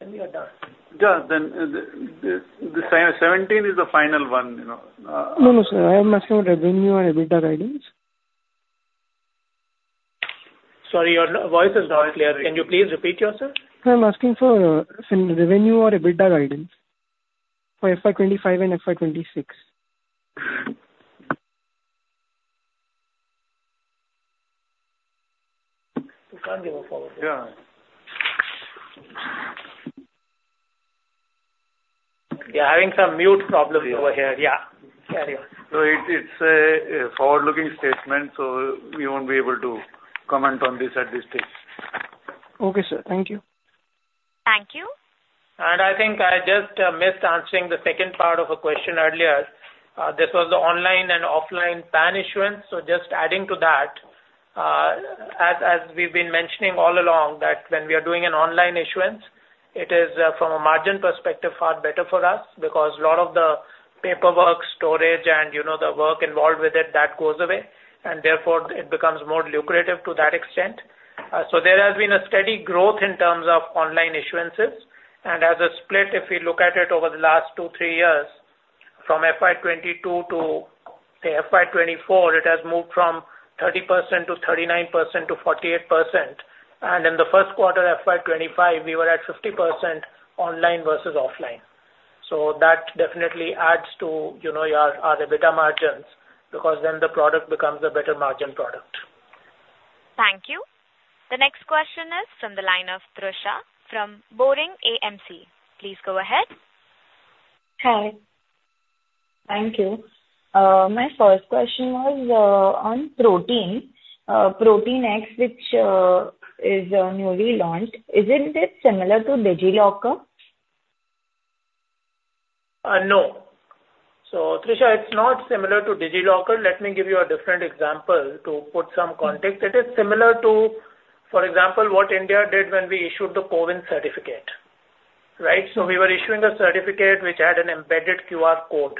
2026? We are done. Yeah, then, the 17 is the final one, you know. No, no, sir, I am asking about revenue and EBITDA guidance. Sorry, your voice is not clear. Can you please repeat yourself? I'm asking for some revenue or EBITDA guidance for FY 2025 and FY 2026. We can't give a forward. Yeah. We are having some mute problems over here. Yeah, carry on. So it's a forward-looking statement, so we won't be able to comment on this at this stage. Okay, sir. Thank you. Thank you. I think I just missed answering the second part of a question earlier. This was the online and offline PAN issuance. Just adding to that, as we've been mentioning all along, that when we are doing an online issuance, it is, from a margin perspective, far better for us because a lot of the paperwork, storage and, you know, the work involved with it, that goes away, and therefore it becomes more lucrative to that extent. There has been a steady growth in terms of online issuances. As a split, if we look at it over the last two, three years, from FY 2022 to say FY 2024, it has moved from 30%-39%-48%. In the first quarter, FY 2025, we were at 50% online versus offline. That definitely adds to, you know, your EBITDA margins, because then the product becomes a better margin product. Thank you. The next question is from the line of Trisha, from Boring AMC. Please go ahead. Hi. Thank you. My first question was on Protean. ProteanX, which is newly launched. Isn't it similar to DigiLocker? No. So Trisha, it's not similar to DigiLocker. Let me give you a different example to put some context. It is similar to, for example, what India did when we issued the CoWIN certificate, right? So we were issuing a certificate which had an embedded QR code.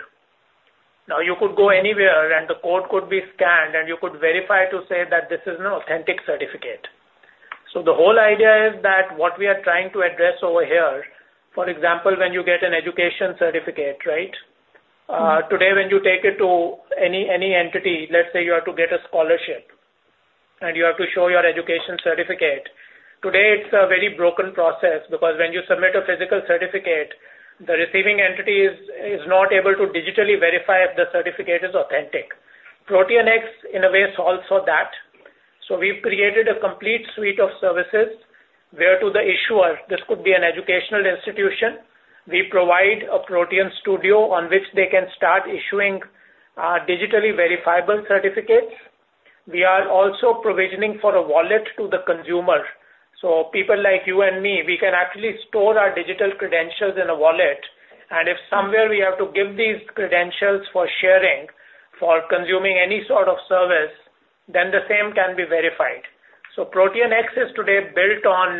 Now, you could go anywhere, and the code could be scanned, and you could verify to say that this is an authentic certificate. So the whole idea is that what we are trying to address over here, for example, when you get an education certificate, right? Today, when you take it to any entity, let's say you have to get a scholarship, and you have to show your education certificate. Today, it's a very broken process, because when you submit a physical certificate, the receiving entity is not able to digitally verify if the certificate is authentic. ProteanX, in a way, solves for that. So we've created a complete suite of services where to the issuer, this could be an educational institution, we provide a Protean Studio on which they can start issuing digitally verifiable certificates. We are also provisioning for a wallet to the consumer. So people like you and me, we can actually store our digital credentials in a wallet, and if somewhere we have to give these credentials for sharing, for consuming any sort of service, then the same can be verified. So ProteanX is today built on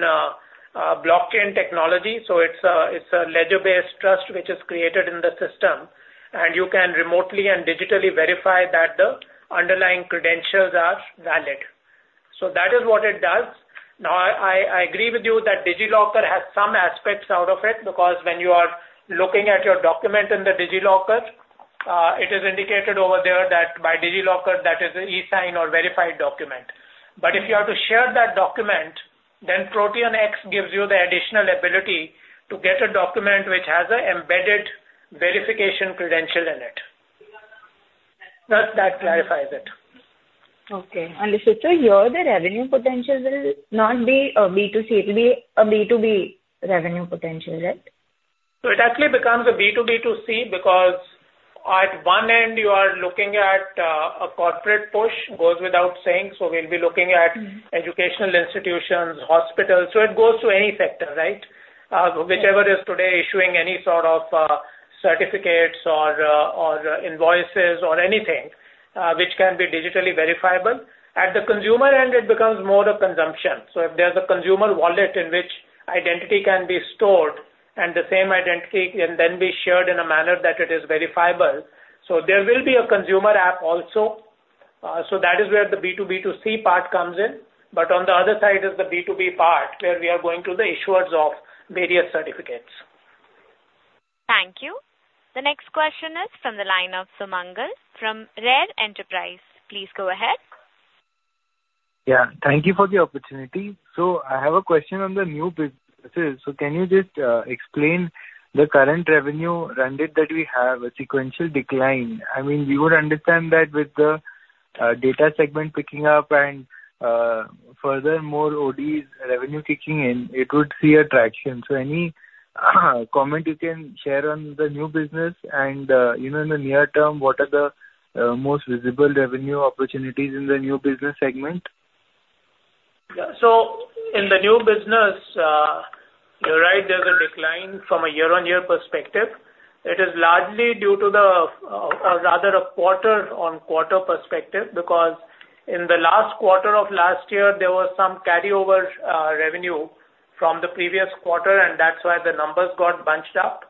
blockchain technology. So it's a, it's a ledger-based trust which is created in the system, and you can remotely and digitally verify that the underlying credentials are valid. So that is what it does. Now, I agree with you that DigiLocker has some aspects out of it, because when you are looking at your document in the DigiLocker, it is indicated over there that by DigiLocker, that is an eSign or verified document. But if you have to share that document, then ProteanX gives you the additional ability to get a document which has an embedded verification credential in it. Does that clarifies it? Okay. And so here, the revenue potential will not be a B2C, it will be a B2B revenue potential, right? So it actually becomes a B2B2C because at one end you are looking at a corporate push, goes without saying, so we'll be looking at educational institutions, hospitals, so it goes to any sector, right? Whichever is today issuing any sort of certificates or, or invoices or anything which can be digitally verifiable. At the consumer end, it becomes more of consumption. So if there's a consumer wallet in which identity can be stored and the same identity can then be shared in a manner that it is verifiable, so there will be a consumer app also. So that is where the B2B2C part comes in. But on the other side is the B2B part, where we are going to the issuers of various certificates. Thank you. The next question is from the line of Sumangal from RARE Enterprises. Please go ahead. Yeah, thank you for the opportunity. So I have a question on the new business. So can you just explain the current revenue run rate that we have, a sequential decline? I mean, we would understand that with the data segment picking up and, furthermore, ODEs revenue kicking in, it would see a traction. So any comment you can share on the new business? And, you know, in the near term, what are the most visible revenue opportunities in the new business segment? Yeah, so in the new business, you're right, there's a decline from a year-on-year perspective. It is largely due to the, rather a quarter-on-quarter perspective, because in the last quarter of last year, there was some carryover, revenue from the previous quarter, and that's why the numbers got bunched up.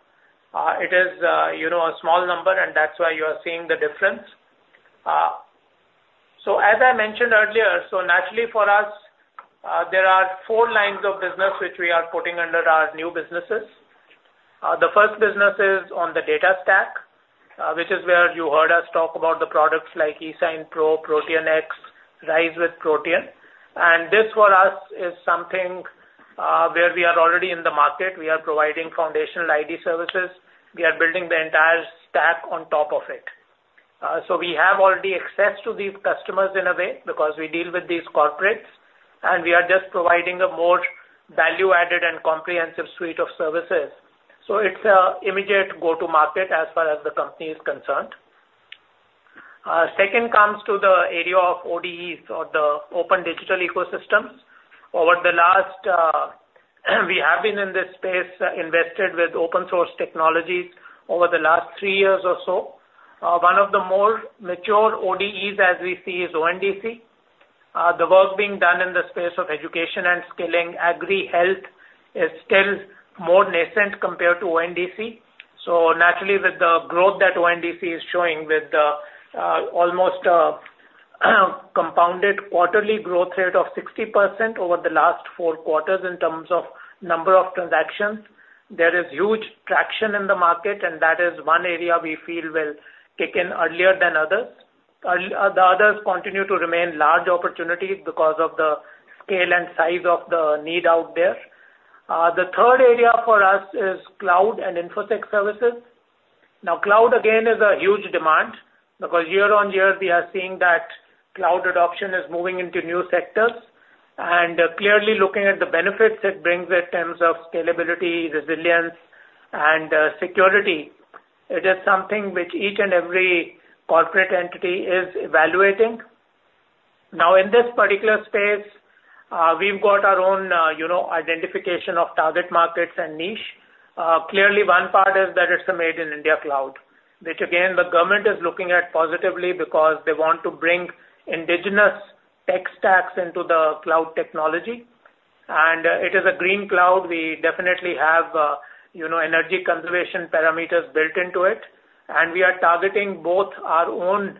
It is, you know, a small number, and that's why you are seeing the difference. So as I mentioned earlier, so naturally for us, there are four lines of business which we are putting under our new businesses. The first business is on the data stack, which is where you heard us talk about the products like eSign Pro, ProteanX, Rise with Protean. And this for us is something, where we are already in the market. We are providing foundational ID services. We are building the entire stack on top of it. So we have already access to these customers in a way, because we deal with these corporates, and we are just providing a more value-added and comprehensive suite of services. So it's a immediate go-to market as far as the company is concerned. Second comes to the area of ODEs or the open digital ecosystems. Over the last, we have been in this space, invested with open source technologies over the last three years or so. One of the more mature ODEs, as we see, is ONDC. The work being done in the space of education and skilling, agri, health is still more nascent compared to ONDC. So naturally, with the growth that ONDC is showing, with the almost compounded quarterly growth rate of 60% over the last four quarters in terms of number of transactions, there is huge traction in the market, and that is one area we feel will kick in earlier than others. The others continue to remain large opportunities because of the scale and size of the need out there. The third area for us is cloud and infotech services. Now, cloud, again, is a huge demand, because year-on-year we are seeing that cloud adoption is moving into new sectors. And clearly, looking at the benefits it brings in terms of scalability, resilience, and security, it is something which each and every corporate entity is evaluating. Now, in this particular space, we've got our own, you know, identification of target markets and niche. Clearly, one part is that it's a Made in India cloud, which again, the government is looking at positively because they want to bring indigenous tech stacks into the cloud technology. And, it is a green cloud. We definitely have, you know, energy conservation parameters built into it, and we are targeting both our own,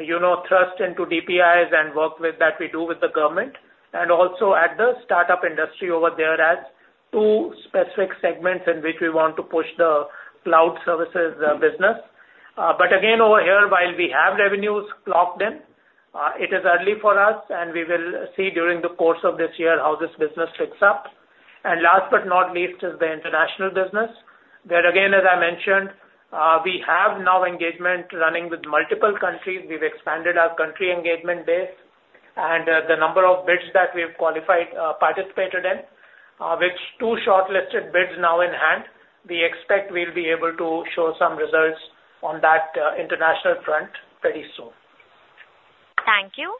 you know, trust into DPIs and work with, that we do with the government, and also at the startup industry over there as two specific segments in which we want to push the cloud services, business. But again, over here, while we have revenues clocked in, it is early for us, and we will see during the course of this year how this business picks up. And last but not least, is the international business, where, again, as I mentioned, we have now engagement running with multiple countries. We've expanded our country engagement base and the number of bids that we've qualified, participated in, with two shortlisted bids now in hand. We expect we'll be able to show some results on that, international front pretty soon. Thank you.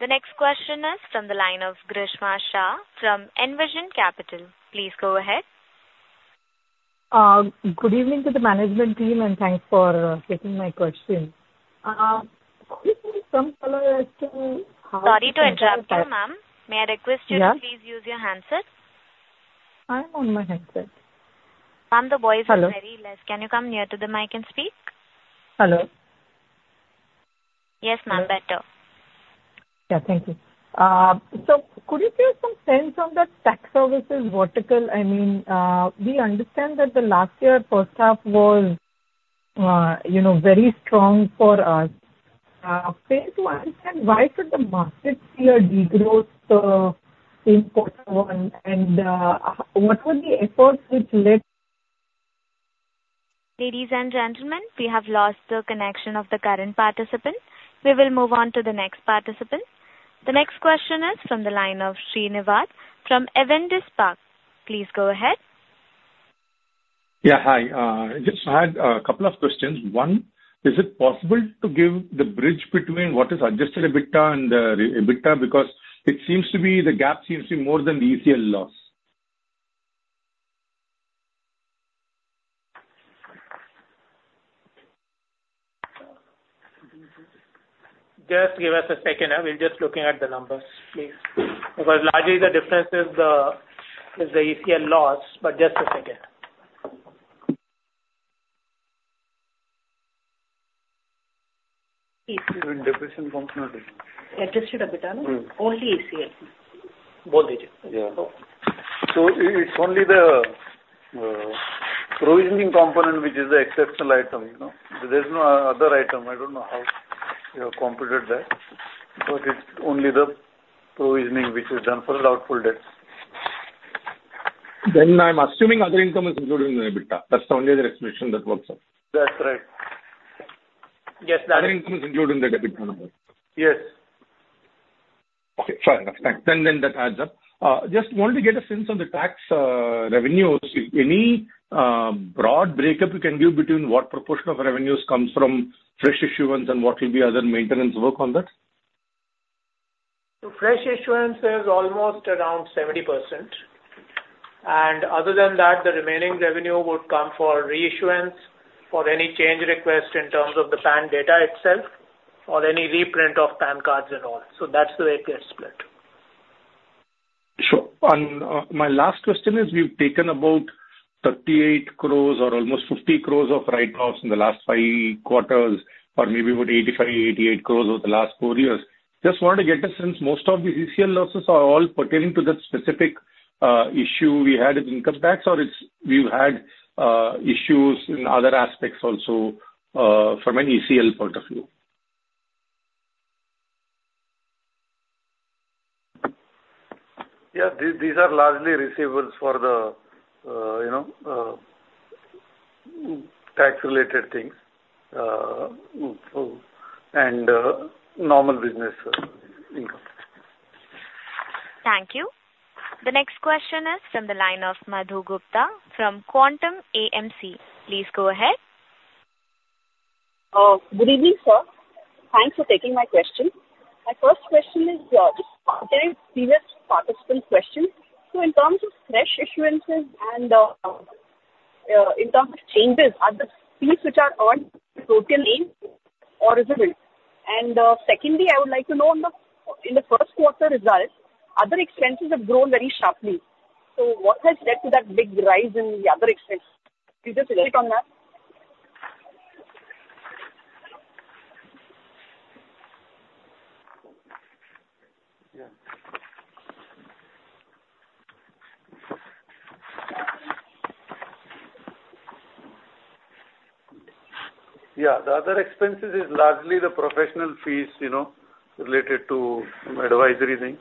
The next question is from the line of Grishma Shah from Envision Capital. Please go ahead. Good evening to the management team, and thanks for taking my question. Could you give some color as to how- Sorry to interrupt you. May I request you to please use your handset? I am on my handset. Ma'am, the voice- Hello? is very less. Can you come near to the mic and speak? Hello. Yes, ma'am, better. Yeah, thank you. So could you give some sense on the tech services vertical? I mean, we understand that the last year first half was, you know, very strong for us. So I want to understand, why could the market see a degrowth in quarter one, and what were the efforts which Ladies and gentlemen, we have lost the connection of the current participant. We will move on to the next participant. The next question is from the line of Srinivas from Avendus Spark. Please go ahead. Yeah, hi. Just had a couple of questions. One, is it possible to give the bridge between what is adjusted EBITDA and the EBITDA? Because it seems to be, the gap seems to be more than the ECL loss. Just give us a second. We're just looking at the numbers, please. Because largely the difference is the ECL loss, but just a second. Yeah. So it's only the provisioning component, which is the exceptional item, you know? There's no other item. I don't know how you have computed that, but it's only the provisioning which is done for doubtful debts. I'm assuming other income is included in the EBITDA. That's the only other explanation that works out. That's right. Yes, that. Other income is included in the EBITDA number. Yes. Okay, fair enough. Thanks. Then, then that adds up. Just wanted to get a sense on the tax revenues. Any broad breakup you can give between what proportion of revenues comes from fresh issuance and what will be other maintenance work on that? Fresh issuance is almost around 70%. Other than that, the remaining revenue would come for reissuance, for any change request in terms of the PAN data itself, or any reprint of PAN cards and all. That's the way it gets split. Sure. My last question is: we've taken about 38 crores or almost 50 crores of write-offs in the last five quarters, or maybe about 85-88 crores over the last four years. Just wanted to get a sense, most of these ECL losses are all pertaining to that specific issue we had in income tax, or it's—we've had issues in other aspects also, from an ECL point of view? Yeah, these are largely receivables for the, you know, tax-related things, and normal business income. Thank you. The next question is from the line of Madhu Gupta from Quantum AMC. Please go ahead. Good evening, sir. Thanks for taking my question. My first question is just pertaining previous participant question. So in terms of fresh issuances and, in terms of changes, are the fees which are earned total in or is it? And, secondly, I would like to know on the, in the first quarter results, other expenses have grown very sharply. So what has led to that big rise in the other expenses? Could you just elaborate on that? Yeah. Yeah, the other expenses is largely the professional fees, you know, related to advisory thing.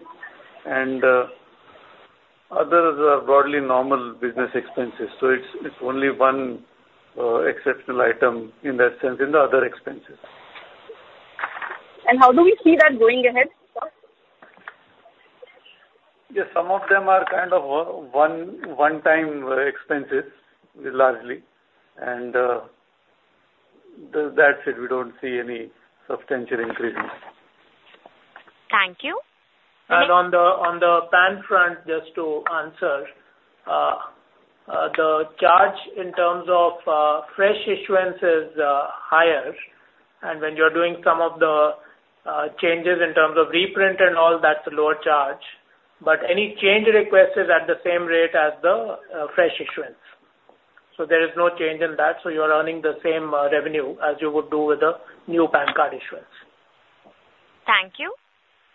Others are broadly normal business expenses. It's only one exceptional item in that sense in the other expenses. How do we see that going ahead, sir? Yeah, some of them are kind of one-time expenses, largely. That's it. We don't see any substantial increase. Thank you. On the PAN front, just to answer, the charge in terms of fresh issuance is higher. When you're doing some of the changes in terms of reprint and all, that's a lower charge. But any change request is at the same rate as the fresh issuance. So there is no change in that, so you are earning the same revenue as you would do with the new PAN card issuance. Thank you.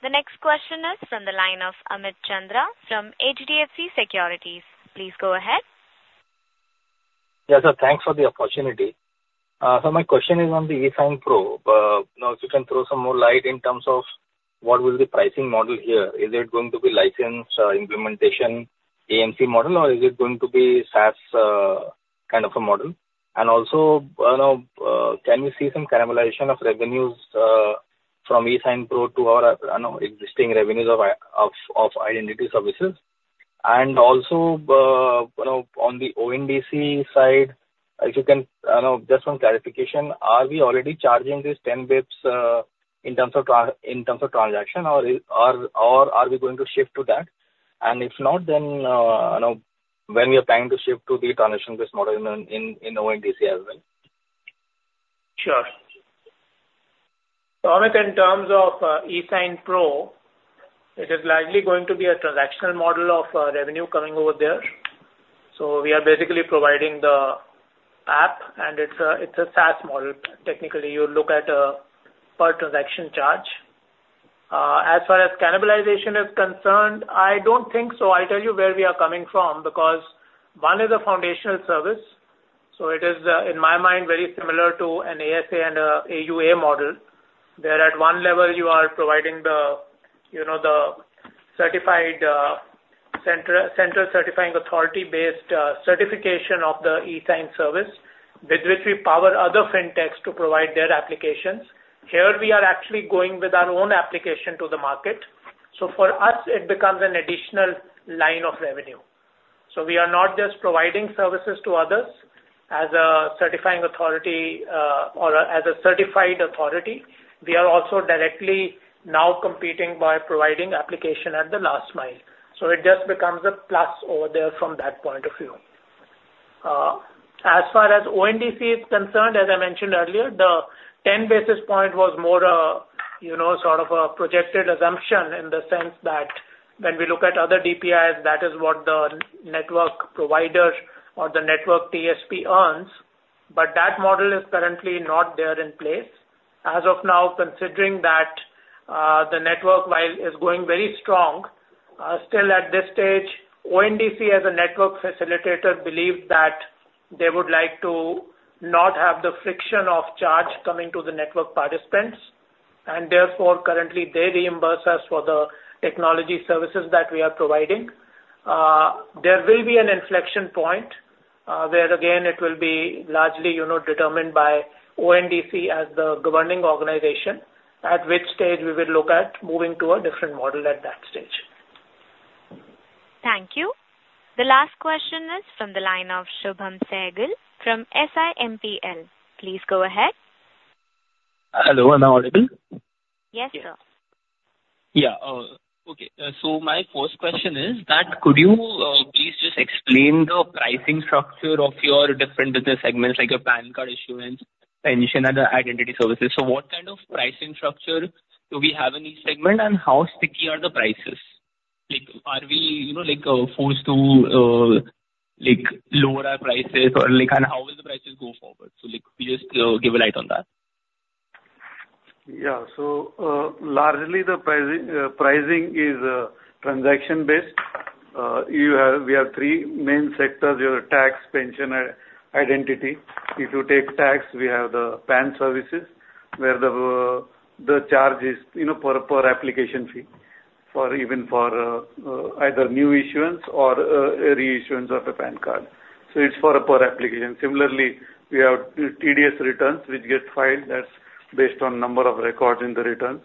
The next question is from the line of Amit Chandra from HDFC Securities. Please go ahead. Yeah, so thanks for the opportunity. So my question is on the eSign Pro. You know, if you can throw some more light in terms of what will be the pricing model here. Is it going to be license, implementation, AMC model, or is it going to be SaaS, kind of a model? And also, now, can we see some cannibalization of revenues, from eSign Pro to our, you know, existing revenues of identity services? And also, you know, on the ONDC side, if you can, you know, just some clarification, are we already charging this 10 basis points, in terms of transaction, or are we going to shift to that? If not, then, you know, when we are planning to shift to the transaction-based model in ONDC as well? Sure. So Amit, in terms of eSign Pro, it is largely going to be a transactional model of revenue coming over there. So we are basically providing the app, and it's a SaaS model. Technically, you look at a per transaction charge. As far as cannibalization is concerned, I don't think so. I'll tell you where we are coming from, because one is a foundational service, so it is, in my mind, very similar to an ASA and AUA model. Where at one level you are providing the, you know, the certified center, central certifying authority-based certification of the eSign service, with which we power other fintechs to provide their applications. Here we are actually going with our own application to the market. So for us, it becomes an additional line of revenue. So we are not just providing services to others as a certifying authority, or as a certified authority, we are also directly now competing by providing application at the last mile. So it just becomes a plus over there from that point of view. As far as ONDC is concerned, as I mentioned earlier, the 10 basis point was more, you know, sort of a projected assumption in the sense that when we look at other DPIs, that is what the network provider or the network TSP earns, but that model is currently not there in place. As of now, considering that, the network mile is going very strong, still at this stage, ONDC as a network facilitator, believe that they would like to not have the friction of charge coming to the network participants, and therefore, currently they reimburse us for the technology services that we are providing. There will be an inflection point, where again, it will be largely, you know, determined by ONDC as the governing organization, at which stage we will look at moving to a different model at that stage. Thank you. The last question is from the line of Shubham Sehgal from Simpl. Please go ahead. Hello, am I audible? Yes, sir. Yeah, okay. So my first question is that could you, please just explain the pricing structure of your different business segments, like your PAN card issuance, pension and identity services? So what kind of pricing structure do we have in each segment, and how sticky are the prices? Like, are we, you know, like, forced to, like, lower our prices or like, and how will the prices go forward? So, like, could you just, give a light on that. Yeah. So, largely the pricing, pricing is transaction-based. We have three main sectors, your tax, pension, and identity. If you take tax, we have the PAN services, where the charge is, you know, per application fee, for even for either new issuance or a reissuance of a PAN card. So it's per application. Similarly, we have TDS returns, which get filed. That's based on number of records in the returns.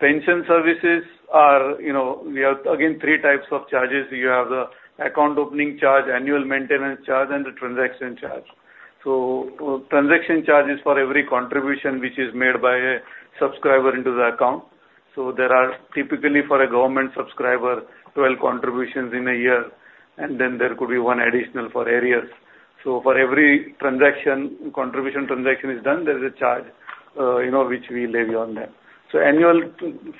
Pension services are, you know, we have, again, three types of charges. You have the account opening charge, annual maintenance charge, and the transaction charge. So transaction charge is for every contribution which is made by a subscriber into the account. So there are typically for a government subscriber, 12 contributions in a year, and then there could be one additional for arrears. So for every transaction, contribution transaction is done, there is a charge, you know, which we levy on them. So annual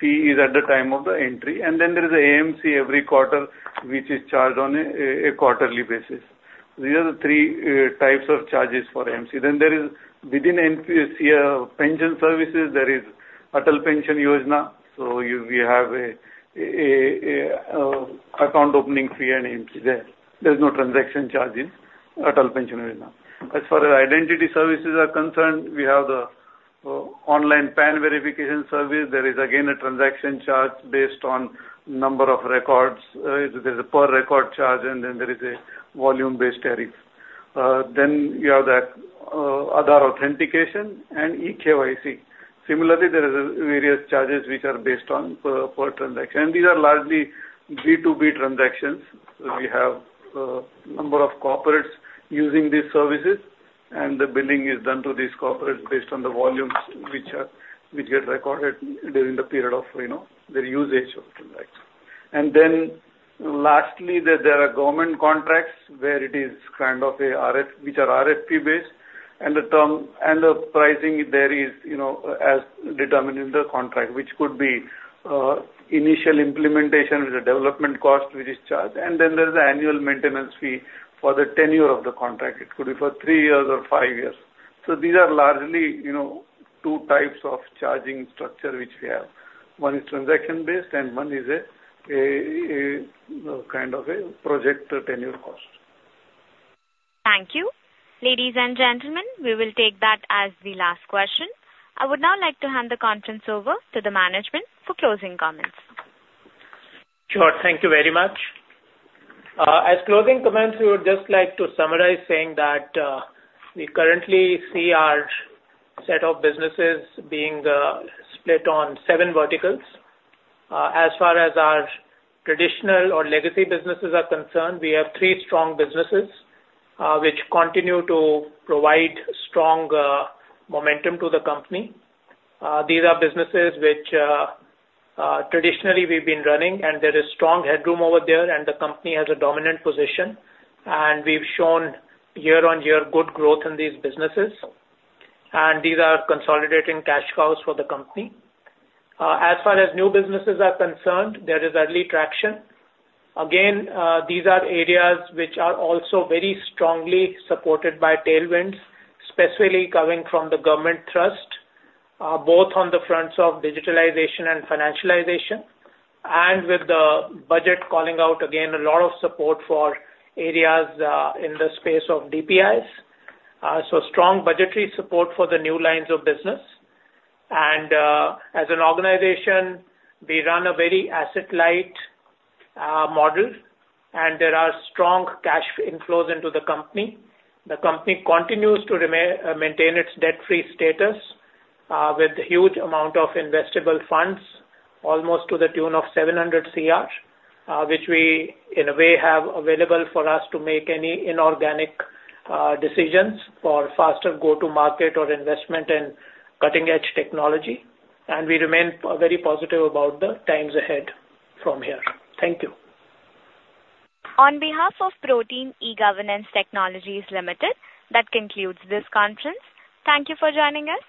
fee is at the time of the entry, and then there is AMC every quarter, which is charged on a quarterly basis. These are the three types of charges for AMC. Then there is within NPS pension services, there is Atal Pension Yojana. So we have an account opening fee and AMC there. There is no transaction charge in Atal Pension Yojana. As far as identity services are concerned, we have the online PAN verification service. There is again a transaction charge based on number of records. There's a per record charge, and then there is a volume-based tariff. Then you have that Aadhaar authentication and eKYC. Similarly, there is various charges which are based on per transaction, and these are largely B2B transactions. We have number of corporates using these services, and the billing is done to these corporates based on the volumes which get recorded during the period of, you know, their usage of transactions. And then lastly, there are government contracts where it is kind of a RFP, which are RFP-based, and the term, and the pricing there is, you know, as determined in the contract, which could be initial implementation with the development cost, which is charged, and then there is annual maintenance fee for the tenure of the contract. It could be for three years or five years. So these are largely, you know, two types of charging structure which we have. One is transaction-based, and one is a, you know, kind of a project tenure cost. Thank you. Ladies and gentlemen, we will take that as the last question. I would now like to hand the conference over to the management for closing comments. Sure. Thank you very much. As closing comments, we would just like to summarize saying that we currently see our set of businesses being split on seven verticals. As far as our traditional or legacy businesses are concerned, we have three strong businesses which continue to provide strong momentum to the company. These are businesses which traditionally we've been running, and there is strong headroom over there, and the company has a dominant position, and we've shown year-on-year good growth in these businesses, and these are consolidating cash cows for the company. As far as new businesses are concerned, there is early traction. Again, these are areas which are also very strongly supported by tailwinds, especially coming from the government trust, both on the fronts of digitalization and financialization, and with the budget calling out, again, a lot of support for areas, in the space of DPIs. So strong budgetary support for the new lines of business. And, as an organization, we run a very asset-light model, and there are strong cash inflows into the company. The company continues to maintain its debt-free status, with a huge amount of investable funds, almost to the tune of 700 crore, which we, in a way, have available for us to make any inorganic decisions for faster go-to market or investment in cutting-edge technology, and we remain very positive about the times ahead from here. Thank you. On behalf of Protean eGovernance Technologies Limited, that concludes this conference. Thank you for joining us.